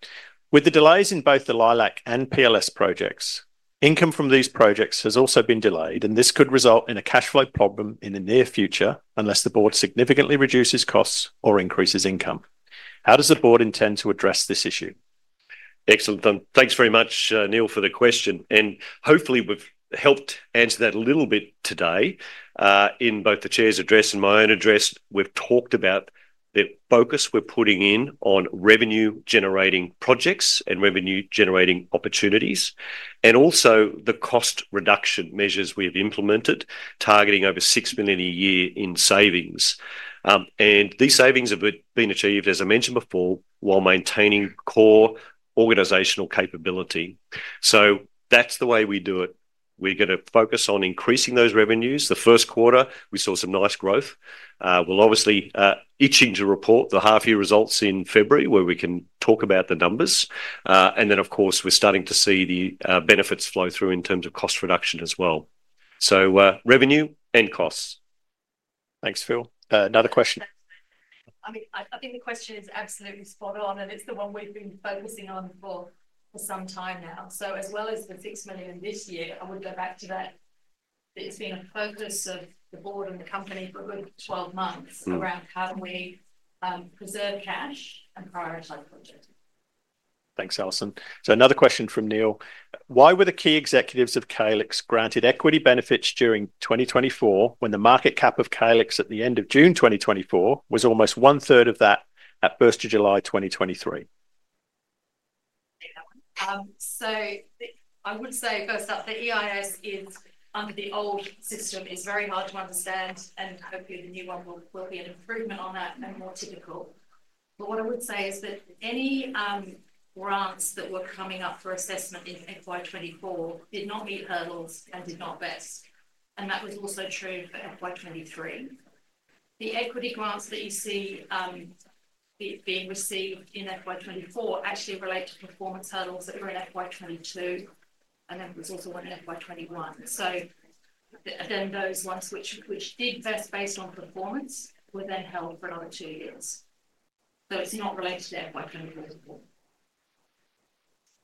With the delays in both the Leilac and PLS projects, income from these projects has also been delayed, and this could result in a cash flow problem in the near future unless the board significantly reduces costs or increases income. How does the board intend to address this issue? Excellent. Thanks very much, Neil, for the question. And hopefully, we've helped answer that a little bit today. In both the chair's address and my own address, we've talked about the focus we're putting in on revenue-generating projects and revenue-generating opportunities, and also the cost-reduction measures we've implemented, targeting over 6 million a year in savings. These savings have been achieved, as I mentioned before, while maintaining core organizational capability. That's the way we do it. We're going to focus on increasing those revenues. The first quarter, we saw some nice growth. We'll obviously be itching to report the half-year results in February where we can talk about the numbers. Then, of course, we're starting to see the benefits flow through in terms of cost reduction as well. Revenue and costs. Thanks, Phil. Another question. I mean, I think the question is absolutely spot on, and it's the one we've been focusing on for some time now. So, as well as the 6 million this year, I would go back to that. It's been a focus of the board and the company for a good 12 months around how do we preserve cash and prioritize projects. Thanks, Alison. So, another question from Neil. Why were the key executives of Calix granted equity benefits during 2024 when the market cap of Calix at the end of June 2024 was almost one-third of that at 1st of July 2023? So, I would say, first off, the EIS under the old system is very hard to understand, and hopefully, the new one will be an improvement on that and more typical. But what I would say is that any grants that were coming up for assessment in FY24 did not meet hurdles and did not vest. And that was also true for FY23. The equity grants that you see being received in FY24 actually relate to performance hurdles that were in FY22, and then there was also one in FY21. So, then those ones which did best based on performance were then held for another two years. So, it's not related to FY24.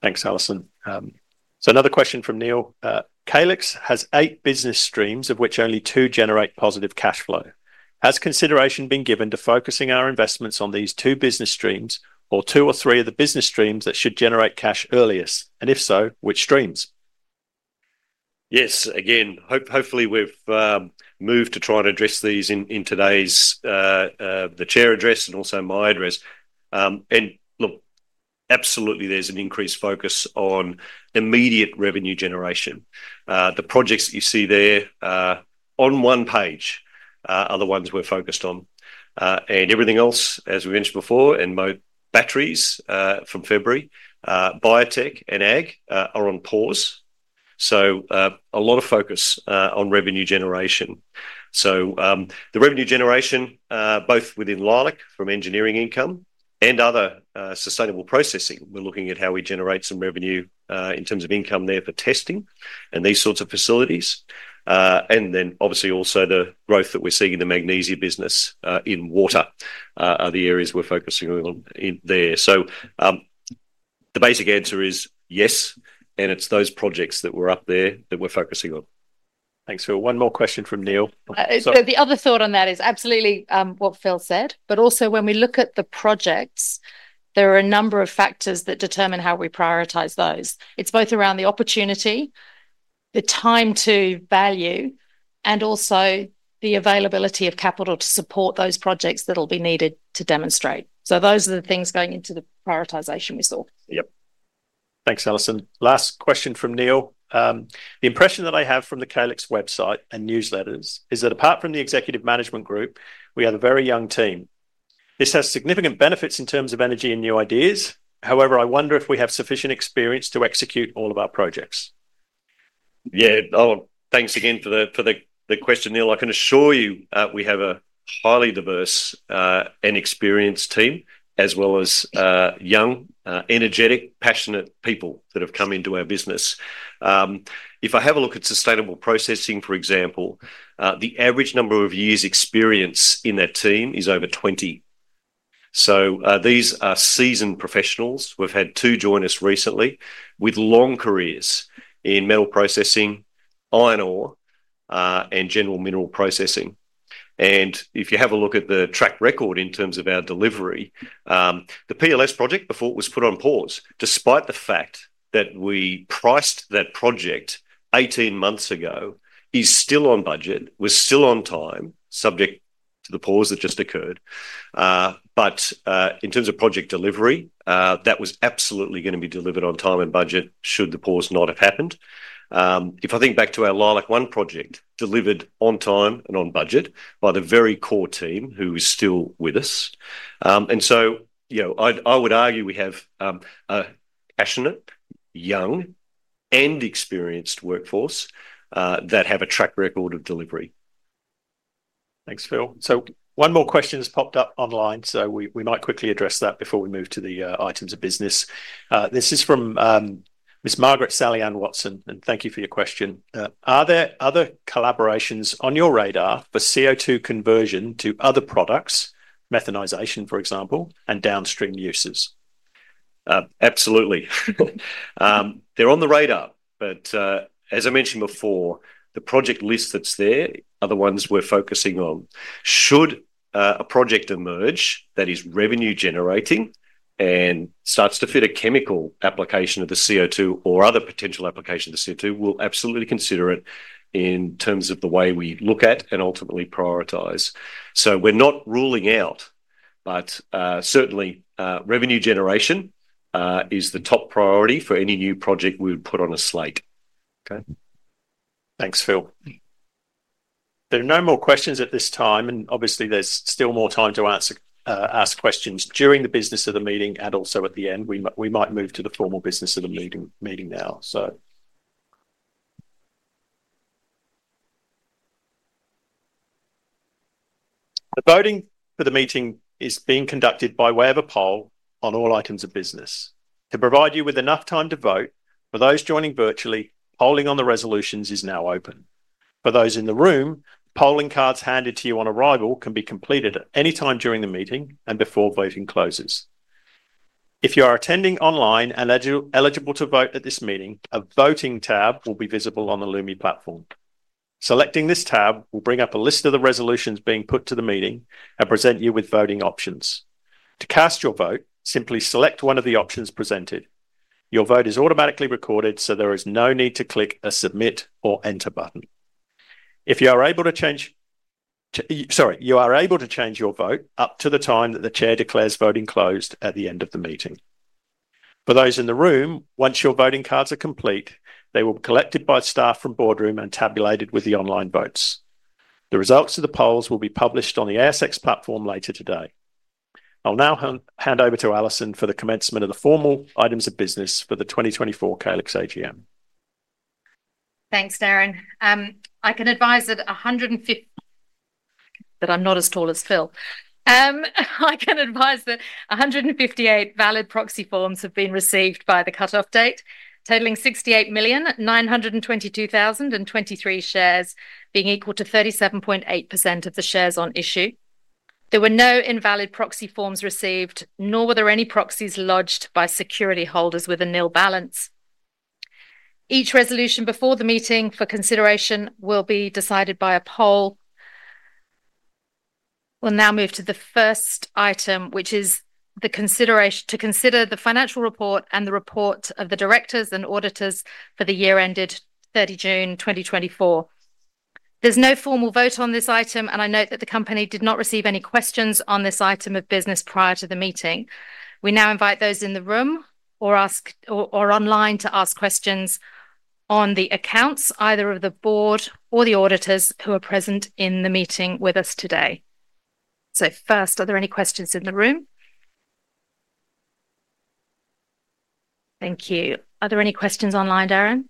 Thanks, Alison. So, another question from Neil. Calix has eight business streams of which only two generate positive cash flow. Has consideration been given to focusing our investments on these two business streams or two or three of the business streams that should generate cash earliest? And if so, which streams? Yes. Again, hopefully, we've moved to try and address these in today's chair address and also my address. And look, absolutely, there's an increased focus on immediate revenue generation. The projects that you see there on one page are the ones we're focused on. And everything else, as we mentioned before, and batteries from February, biotech and ag are on pause. So, a lot of focus on revenue generation. So, the revenue generation, both within Leilac from engineering income and other sustainable processing, we're looking at how we generate some revenue in terms of income there for testing and these sorts of facilities. And then, obviously, also the growth that we're seeing in the magnesium business in water are the areas we're focusing on there. So, the basic answer is yes, and it's those projects that were up there that we're focusing on. Thanks, Phil. One more question from Neil. So, the other thought on that is absolutely what Phil said. But also, when we look at the projects, there are a number of factors that determine how we prioritize those. It's both around the opportunity, the time to value, and also the availability of capital to support those projects that will be needed to demonstrate. So, those are the things going into the prioritization we saw. Yep. Thanks, Alison. Last question from Neil. The impression that I have from the Calix website and newsletters is that apart from the executive management group, we have a very young team. This has significant benefits in terms of energy and new ideas. However, I wonder if we have sufficient experience to execute all of our projects. Yeah. Thanks again for the question, Neil. I can assure you we have a highly diverse and experienced team, as well as young, energetic, passionate people that have come into our business. If I have a look at sustainable processing, for example, the average number of years experience in that team is over 20. These are seasoned professionals. We've had two join us recently with long careers in metal processing, iron ore, and general mineral processing, and if you have a look at the track record in terms of our delivery, the PLS project before it was put on pause, despite the fact that we priced that project 18 months ago, is still on budget, was still on time, subject to the pause that just occurred, but in terms of project delivery, that was absolutely going to be delivered on time and budget should the pause not have happened. If I think back to our Leilac One project, delivered on time and on budget by the very core team who is still with us, and so I would argue we have a passionate, young, and experienced workforce that have a track record of delivery. Thanks, Phil. So, one more question has popped up online, so we might quickly address that before we move to the items of business. This is from Ms. Margaret Sally-Ann Watson, and thank you for your question. Are there other collaborations on your radar for CO2 conversion to other products, methanization, for example, and downstream uses? Absolutely. They're on the radar. But as I mentioned before, the project list that's there are the ones we're focusing on. Should a project emerge that is revenue-generating and starts to fit a chemical application of the CO2 or other potential application of the CO2, we'll absolutely consider it in terms of the way we look at and ultimately prioritize. So, we're not ruling out, but certainly, revenue generation is the top priority for any new project we would put on a slate. Okay. Thanks, Phil. There are no more questions at this time, and obviously, there's still more time to ask questions during the business of the meeting and also at the end. We might move to the formal business of the meeting now, so. The voting for the meeting is being conducted by way of a poll on all items of business. To provide you with enough time to vote, for those joining virtually, polling on the resolutions is now open. For those in the room, polling cards handed to you on arrival can be completed at any time during the meeting and before voting closes. If you are attending online and eligible to vote at this meeting, a voting tab will be visible on the Lumi platform. Selecting this tab will bring up a list of the resolutions being put to the meeting and present you with voting options. To cast your vote, simply select one of the options presented. Your vote is automatically recorded, so there is no need to click a submit or enter button. If you are able to change, sorry, you are able to change your vote up to the time that the chair declares voting closed at the end of the meeting. For those in the room, once your voting cards are complete, they will be collected by staff from Boardroom and tabulated with the online votes. The results of the polls will be published on the ASX platform later today. I'll now hand over to Alison for the commencement of the formal items of business for the 2024 Calix AGM. Thanks, Darren. I can advise that 150, that I'm not as tall as Phil. I can advise that 158 valid proxy forms have been received by the cutoff date, totaling 68,922,023 shares, being equal to 37.8% of the shares on issue. There were no invalid proxy forms received, nor were there any proxies lodged by security holders with a nil balance. Each resolution before the meeting for consideration will be decided by a poll. We'll now move to the first item, which is to consider the financial report and the report of the directors and auditors for the year ended 30 June 2024. There's no formal vote on this item, and I note that the company did not receive any questions on this item of business prior to the meeting. We now invite those in the room or online to ask questions on the accounts, either of the board or the auditors who are present in the meeting with us today. So, first, are there any questions in the room? Thank you. Are there any questions online, Darren?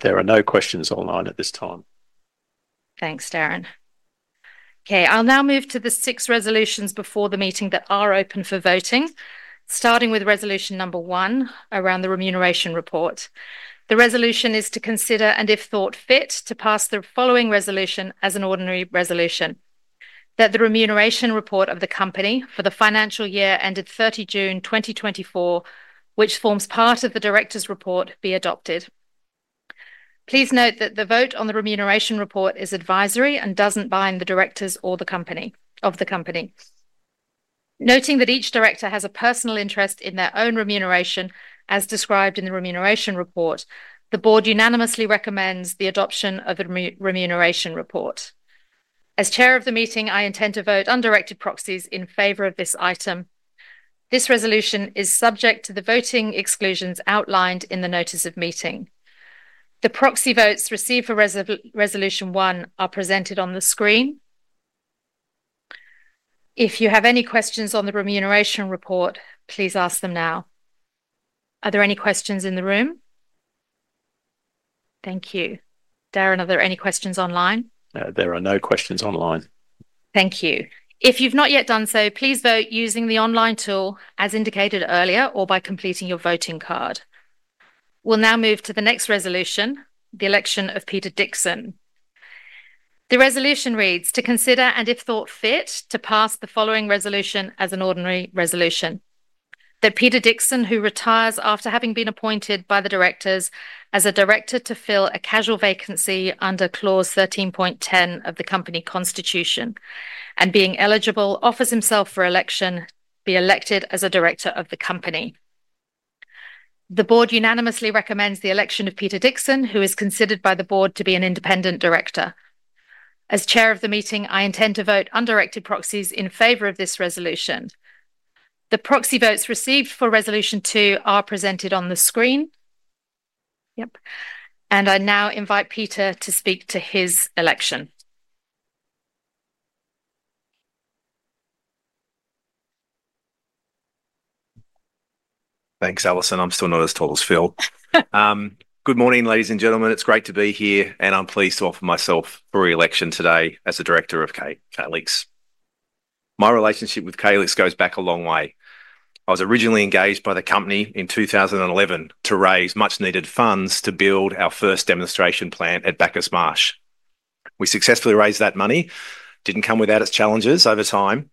There are no questions online at this time. Thanks, Darren. Okay. I'll now move to the six resolutions before the meeting that are open for voting, starting with resolution number one around the remuneration report. The resolution is to consider, and if thought fit, to pass the following resolution as an ordinary resolution: that the remuneration report of the company for the financial year ended 30 June 2024, which forms part of the director's report, be adopted. Please note that the vote on the remuneration report is advisory and doesn't bind the directors or the company. Noting that each director has a personal interest in their own remuneration, as described in the remuneration report, the board unanimously recommends the adoption of a remuneration report. As chair of the meeting, I intend to vote on directed proxies in favor of this item. This resolution is subject to the voting exclusions outlined in the notice of meeting. The proxy votes received for resolution one are presented on the screen. If you have any questions on the remuneration report, please ask them now. Are there any questions in the room? Thank you. Darren, are there any questions online? There are no questions online. Thank you. If you've not yet done so, please vote using the online tool as indicated earlier or by completing your voting card. We'll now move to the next resolution, the election of Peter Dickson. The resolution reads, to consider and if thought fit, to pass the following resolution as an ordinary resolution. That Peter Dickson, who retires after having been appointed by the directors as a director to fill a casual vacancy under clause 13.10 of the company constitution and being eligible, offers himself for election, be elected as a director of the company. The board unanimously recommends the election of Peter Dickson, who is considered by the board to be an independent director. As chair of the meeting, I intend to vote on directed proxies in favour of this resolution. The proxy votes received for resolution two are presented on the screen. Yep, and I now invite Peter to speak to his election. Thanks, Alison. I'm still not as tall as Phil. Good morning, ladies and gentlemen. It's great to be here, and I'm pleased to offer myself for re-election today as the director of Calix. My relationship with Calix goes back a long way. I was originally engaged by the company in 2011 to raise much-needed funds to build our first demonstration plant at Bacchus Marsh. We successfully raised that money. It didn't come without its challenges over time,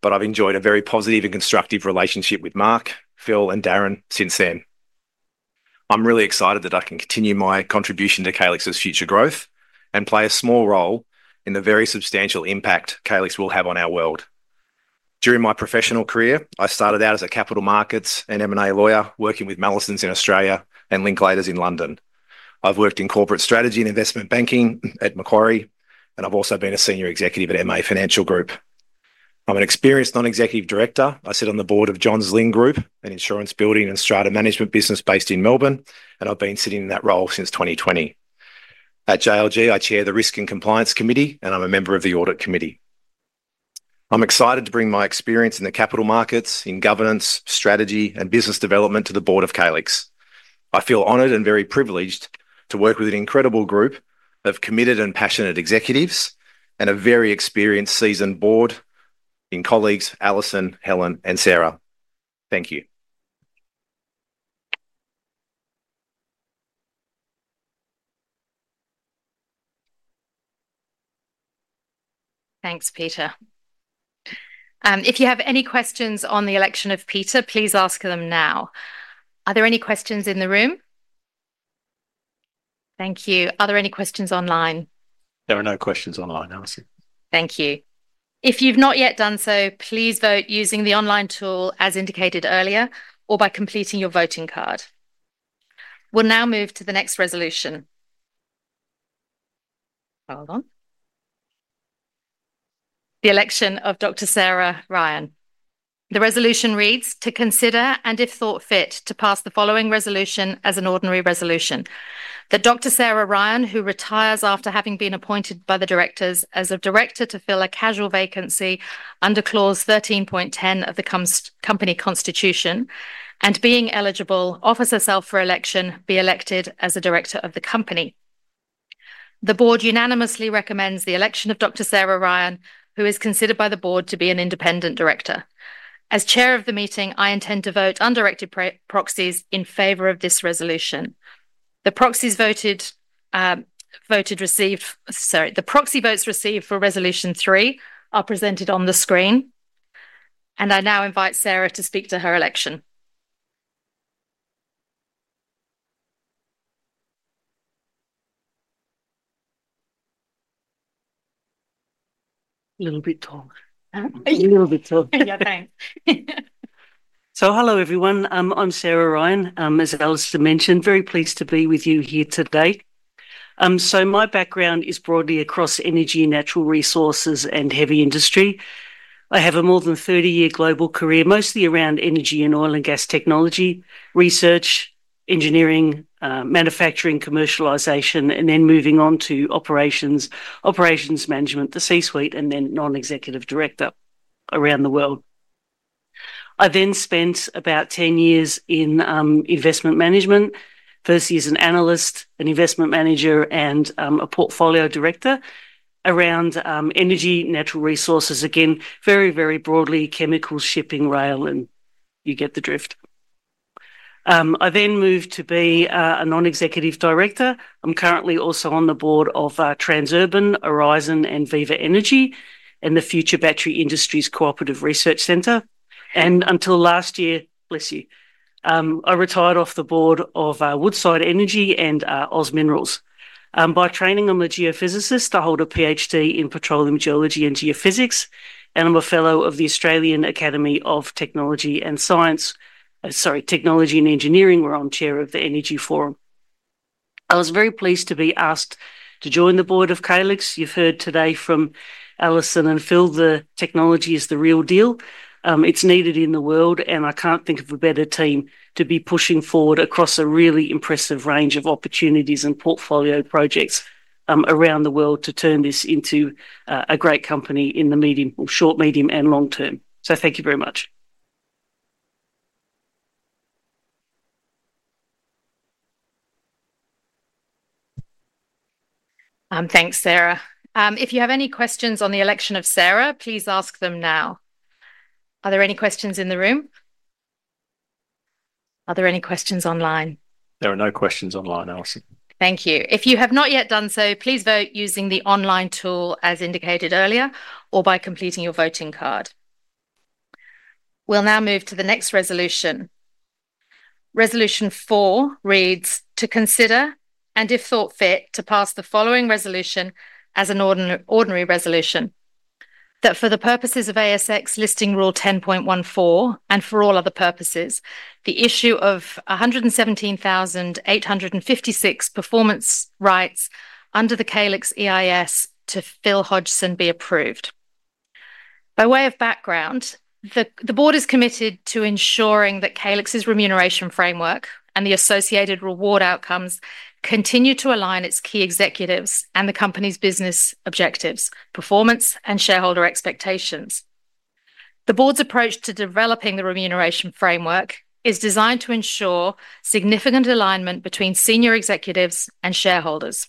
but I've enjoyed a very positive and constructive relationship with Mark, Phil, and Darren since then. I'm really excited that I can continue my contribution to Calix's future growth and play a small role in the very substantial impact Calix will have on our world. During my professional career, I started out as a capital markets and M&A lawyer working with Mallesons in Australia and Linklaters in London. I've worked in corporate strategy and investment banking at Macquarie, and I've also been a senior executive at MA Financial Group. I'm an experienced non-executive director. I sit on the board of Johns Lyng Group, an insurance building and strata management business based in Melbourne, and I've been sitting in that role since 2020. At JLG, I chair the Risk and Compliance Committee, and I'm a member of the Audit Committee. I'm excited to bring my experience in the capital markets, in governance, strategy, and business development to the board of Calix. I feel honored and very privileged to work with an incredible group of committed and passionate executives and a very experienced, seasoned board in colleagues, Alison, Helen, and Sarah. Thank you. Thanks, Peter. If you have any questions on the election of Peter, please ask them now. Are there any questions in the room? Thank you. Are there any questions online? There are no questions online, Alison. Thank you. If you've not yet done so, please vote using the online tool as indicated earlier or by completing your voting card. We'll now move to the next resolution. Hold on. The election of Dr. Sarah Ryan. The resolution reads, to consider and if thought fit, to pass the following resolution as an ordinary resolution. That Dr. Sarah Ryan, who retires after having been appointed by the directors as a director to fill a casual vacancy under clause 13.10 of the company constitution and being eligible, offers herself for election, be elected as a director of the company. The board unanimously recommends the election of Dr. Sarah Ryan, who is considered by the board to be an independent director. As chair of the meeting, I intend to vote on directed proxies in favor of this resolution. The proxy votes received for resolution three are presented on the screen. I now invite Sarah to speak to her election. Yeah, thanks. So, hello, everyone. I'm Sarah Ryan, as Alison mentioned, very pleased to be with you here today. My background is broadly across energy, natural resources, and heavy industry. I have a more than 30-year global career, mostly around energy and oil and gas technology, research, engineering, manufacturing, commercialization, and then moving on to operations, operations management, the C-suite, and then non-executive director around the world. I then spent about 10 years in investment management, first year as an analyst, an investment manager, and a portfolio director around energy, natural resources, again, very, very broadly, chemicals, shipping, rail, and you get the drift. I then moved to be a non-executive director. I'm currently also on the board of Transurban, Aurizon, and Viva Energy, and the Future Battery Industries Cooperative Research Centre. Until last year, I retired off the board of Woodside Energy and OZ Minerals. By training, I'm a geophysicist. I hold a PhD in petroleum geology and geophysics, and I'm a fellow of the Australian Academy of Technology and Science, sorry, Technology and Engineering. I am chair of the Energy Forum. I was very pleased to be asked to join the board of Calix. You've heard today from Alison and Phil, the technology is the real deal. It's needed in the world, and I can't think of a better team to be pushing forward across a really impressive range of opportunities and portfolio projects around the world to turn this into a great company in the medium, short, medium, and long term. So, thank you very much. Thanks, Sarah. If you have any questions on the election of Sarah, please ask them now. Are there any questions in the room? Are there any questions online? There are no questions online, Alison. Thank you. If you have not yet done so, please vote using the online tool as indicated earlier or by completing your voting card. We'll now move to the next resolution. Resolution four reads, to consider and if thought fit, to pass the following resolution as an ordinary resolution. That for the purposes of ASX listing rule 10.14 and for all other purposes, the issue of 117,856 performance rights under the Calix EIS to Phil Hodgson be approved. By way of background, the board is committed to ensuring that Calix's remuneration framework and the associated reward outcomes continue to align its key executives and the company's business objectives, performance, and shareholder expectations. The board's approach to developing the remuneration framework is designed to ensure significant alignment between senior executives and shareholders,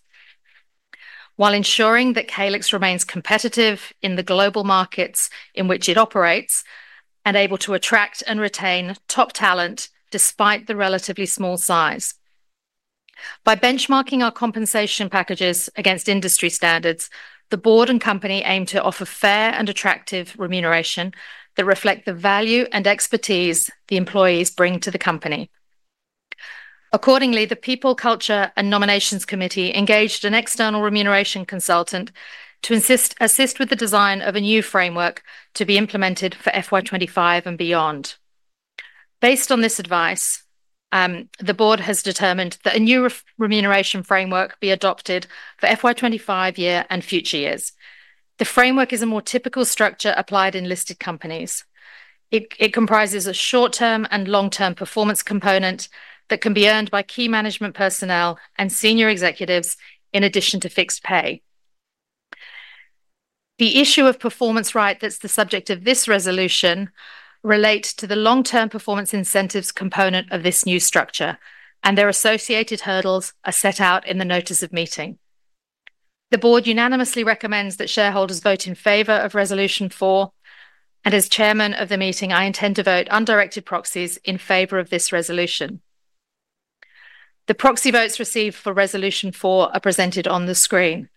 while ensuring that Calix remains competitive in the global markets in which it operates and able to attract and retain top talent despite the relatively small size. By benchmarking our compensation packages against industry standards, the board and company aim to offer fair and attractive remuneration that reflect the value and expertise the employees bring to the company. Accordingly, the People, Culture and Nominations Committee engaged an external remuneration consultant to assist with the design of a new framework to be implemented for FY25 and beyond. Based on this advice, the board has determined that a new remuneration framework be adopted for FY25 year and future years. The framework is a more typical structure applied in listed companies. It comprises a short-term and long-term performance component that can be earned by key management personnel and senior executives in addition to fixed pay. The issue of performance right that's the subject of this resolution relates to the long-term performance incentives component of this new structure, and their associated hurdles are set out in the notice of meeting. The board unanimously recommends that shareholders vote in favor of resolution four, and as chairman of the meeting, I intend to vote on directed proxies in favor of this resolution. The proxy votes received for resolution four are presented on the screen.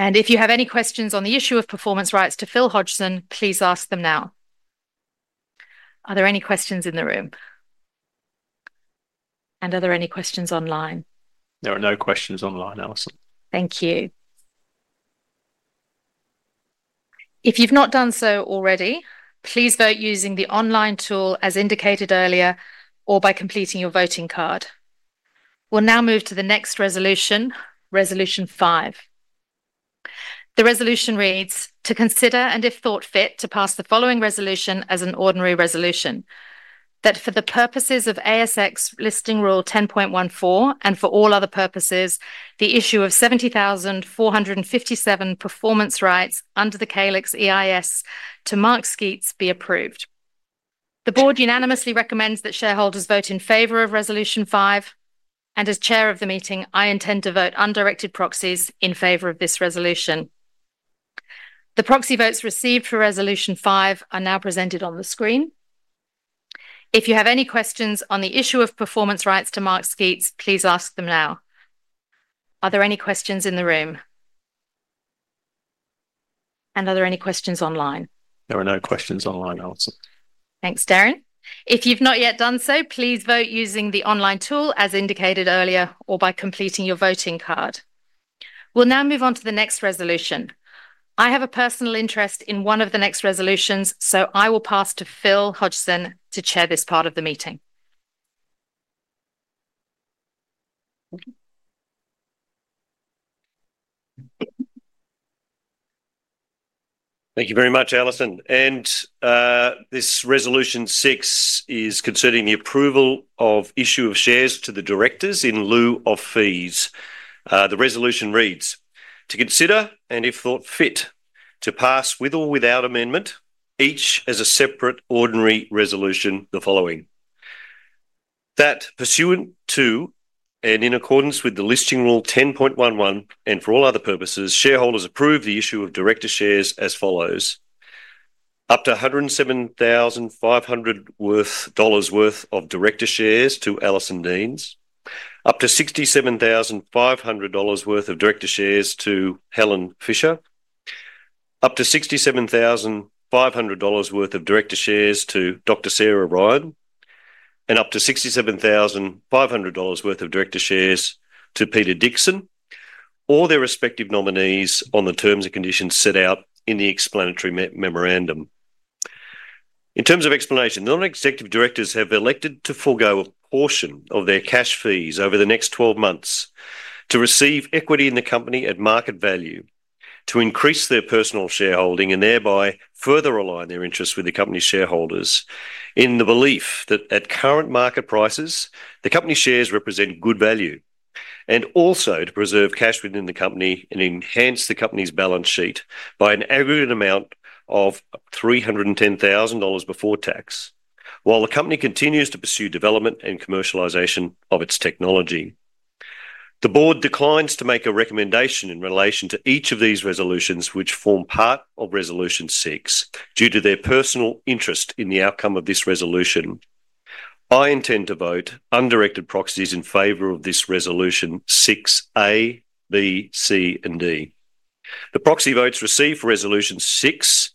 If you have any questions on the issue of performance rights to Phil Hodgson, please ask them now. Are there any questions in the room? Are there any questions online? There are no questions online, Alison. Thank you. If you've not done so already, please vote using the online tool as indicated earlier or by completing your voting card. We'll now move to the next resolution, resolution five. The resolution reads, to consider and if thought fit, to pass the following resolution as an ordinary resolution. That for the purposes of ASX listing rule 10.14 and for all other purposes, the issue of 70,457 performance rights under the Calix EIS to Mark Sceats be approved. The board unanimously recommends that shareholders vote in favor of resolution five, and as chair of the meeting, I intend to vote on directed proxies in favor of this resolution. The proxy votes received for resolution five are now presented on the screen. If you have any questions on the issue of performance rights to Mark Sceats, please ask them now. Are there any questions in the room? Are there any questions online? There are no questions online, Alison. Thanks, Darren. If you've not yet done so, please vote using the online tool as indicated earlier or by completing your voting card. We'll now move on to the next resolution. I have a personal interest in one of the next resolutions, so I will pass to Phil Hodgson to chair this part of the meeting. Thank you very much, Alison. This resolution six is concerning the approval of issue of shares to the directors in lieu of fees. The resolution reads, to consider and if thought fit, to pass with or without amendment, each as a separate ordinary resolution the following. That pursuant to and in accordance with the listing rule 10.11 and for all other purposes, shareholders approve the issue of director shares as follows. Up to AUD 107,500 worth of director shares to Alison Deans, up to AUD 67,500 worth of director shares to Helen Fisher, up to AUD 67,500 worth of director shares to Dr. Sarah Ryan, and up to AUD 67,500 worth of director shares to Peter Dixon or their respective nominees on the terms and conditions set out in the explanatory memorandum. In terms of explanation, non-executive directors have elected to forego a portion of their cash fees over the next 12 months to receive equity in the company at market value to increase their personal shareholding and thereby further align their interests with the company's shareholders in the belief that at current market prices, the company's shares represent good value and also to preserve cash within the company and enhance the company's balance sheet by an aggregate amount of 310,000 dollars before tax while the company continues to pursue development and commercialization of its technology. The board declines to make a recommendation in relation to each of these resolutions, which form part of resolution six, due to their personal interest in the outcome of this resolution. I intend to vote on directed proxies in favor of this resolution six A, B, C, and D. The proxy votes received for resolution six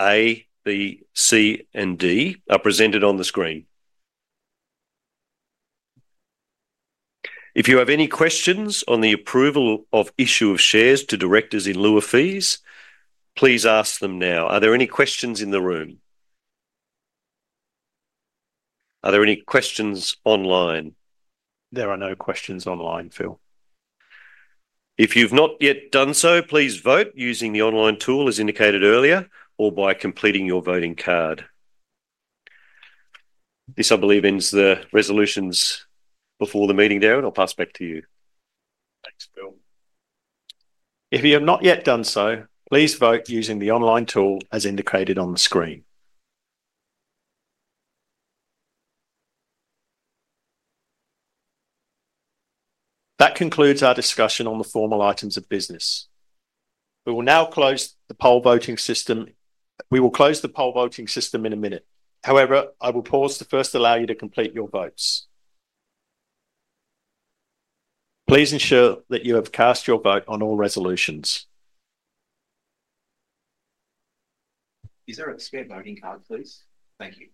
A, B, C, and D are presented on the screen. If you have any questions on the approval of issue of shares to directors in lieu of fees, please ask them now. Are there any questions in the room? Are there any questions online? There are no questions online, Phil. If you've not yet done so, please vote using the online tool as indicated earlier or by completing your voting card. This, I believe, ends the resolutions before the meeting, Darren. I'll pass back to you. Thanks, Phil. If you have not yet done so, please vote using the online tool as indicated on the screen. That concludes our discussion on the formal items of business. We will now close the poll voting system. We will close the poll voting system in a minute. However, I will pause to first allow you to complete your votes. Please ensure that you have cast your vote on all resolutions. Is there a spare voting card, please? Thank you.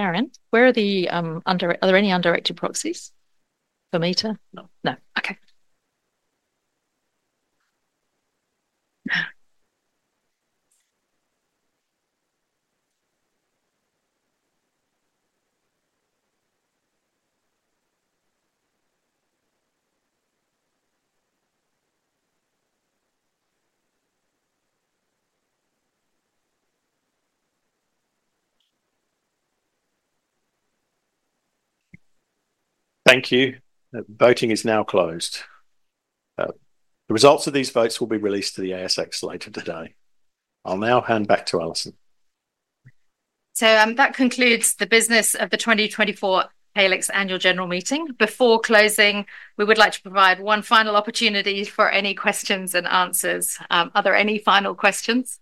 Darren, are there any undirected proxies for me to? No. No. Okay. Thank you. Voting is now closed. The results of these votes will be released to the ASX later today. I'll now hand back to Alison. So that concludes the business of the 2024 Calix Annual General Meeting. Before closing, we would like to provide one final opportunity for any questions and answers. Are there any final questions?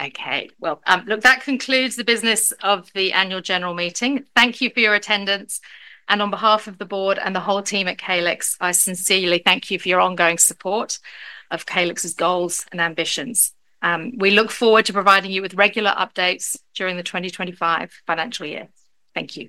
Okay. Well, look, that concludes the business of the Annual General Meeting. Thank you for your attendance. And on behalf of the board and the whole team at Calix, I sincerely thank you for your ongoing support of Calix's goals and ambitions. We look forward to providing you with regular updates during the 2025 financial year. Thank you.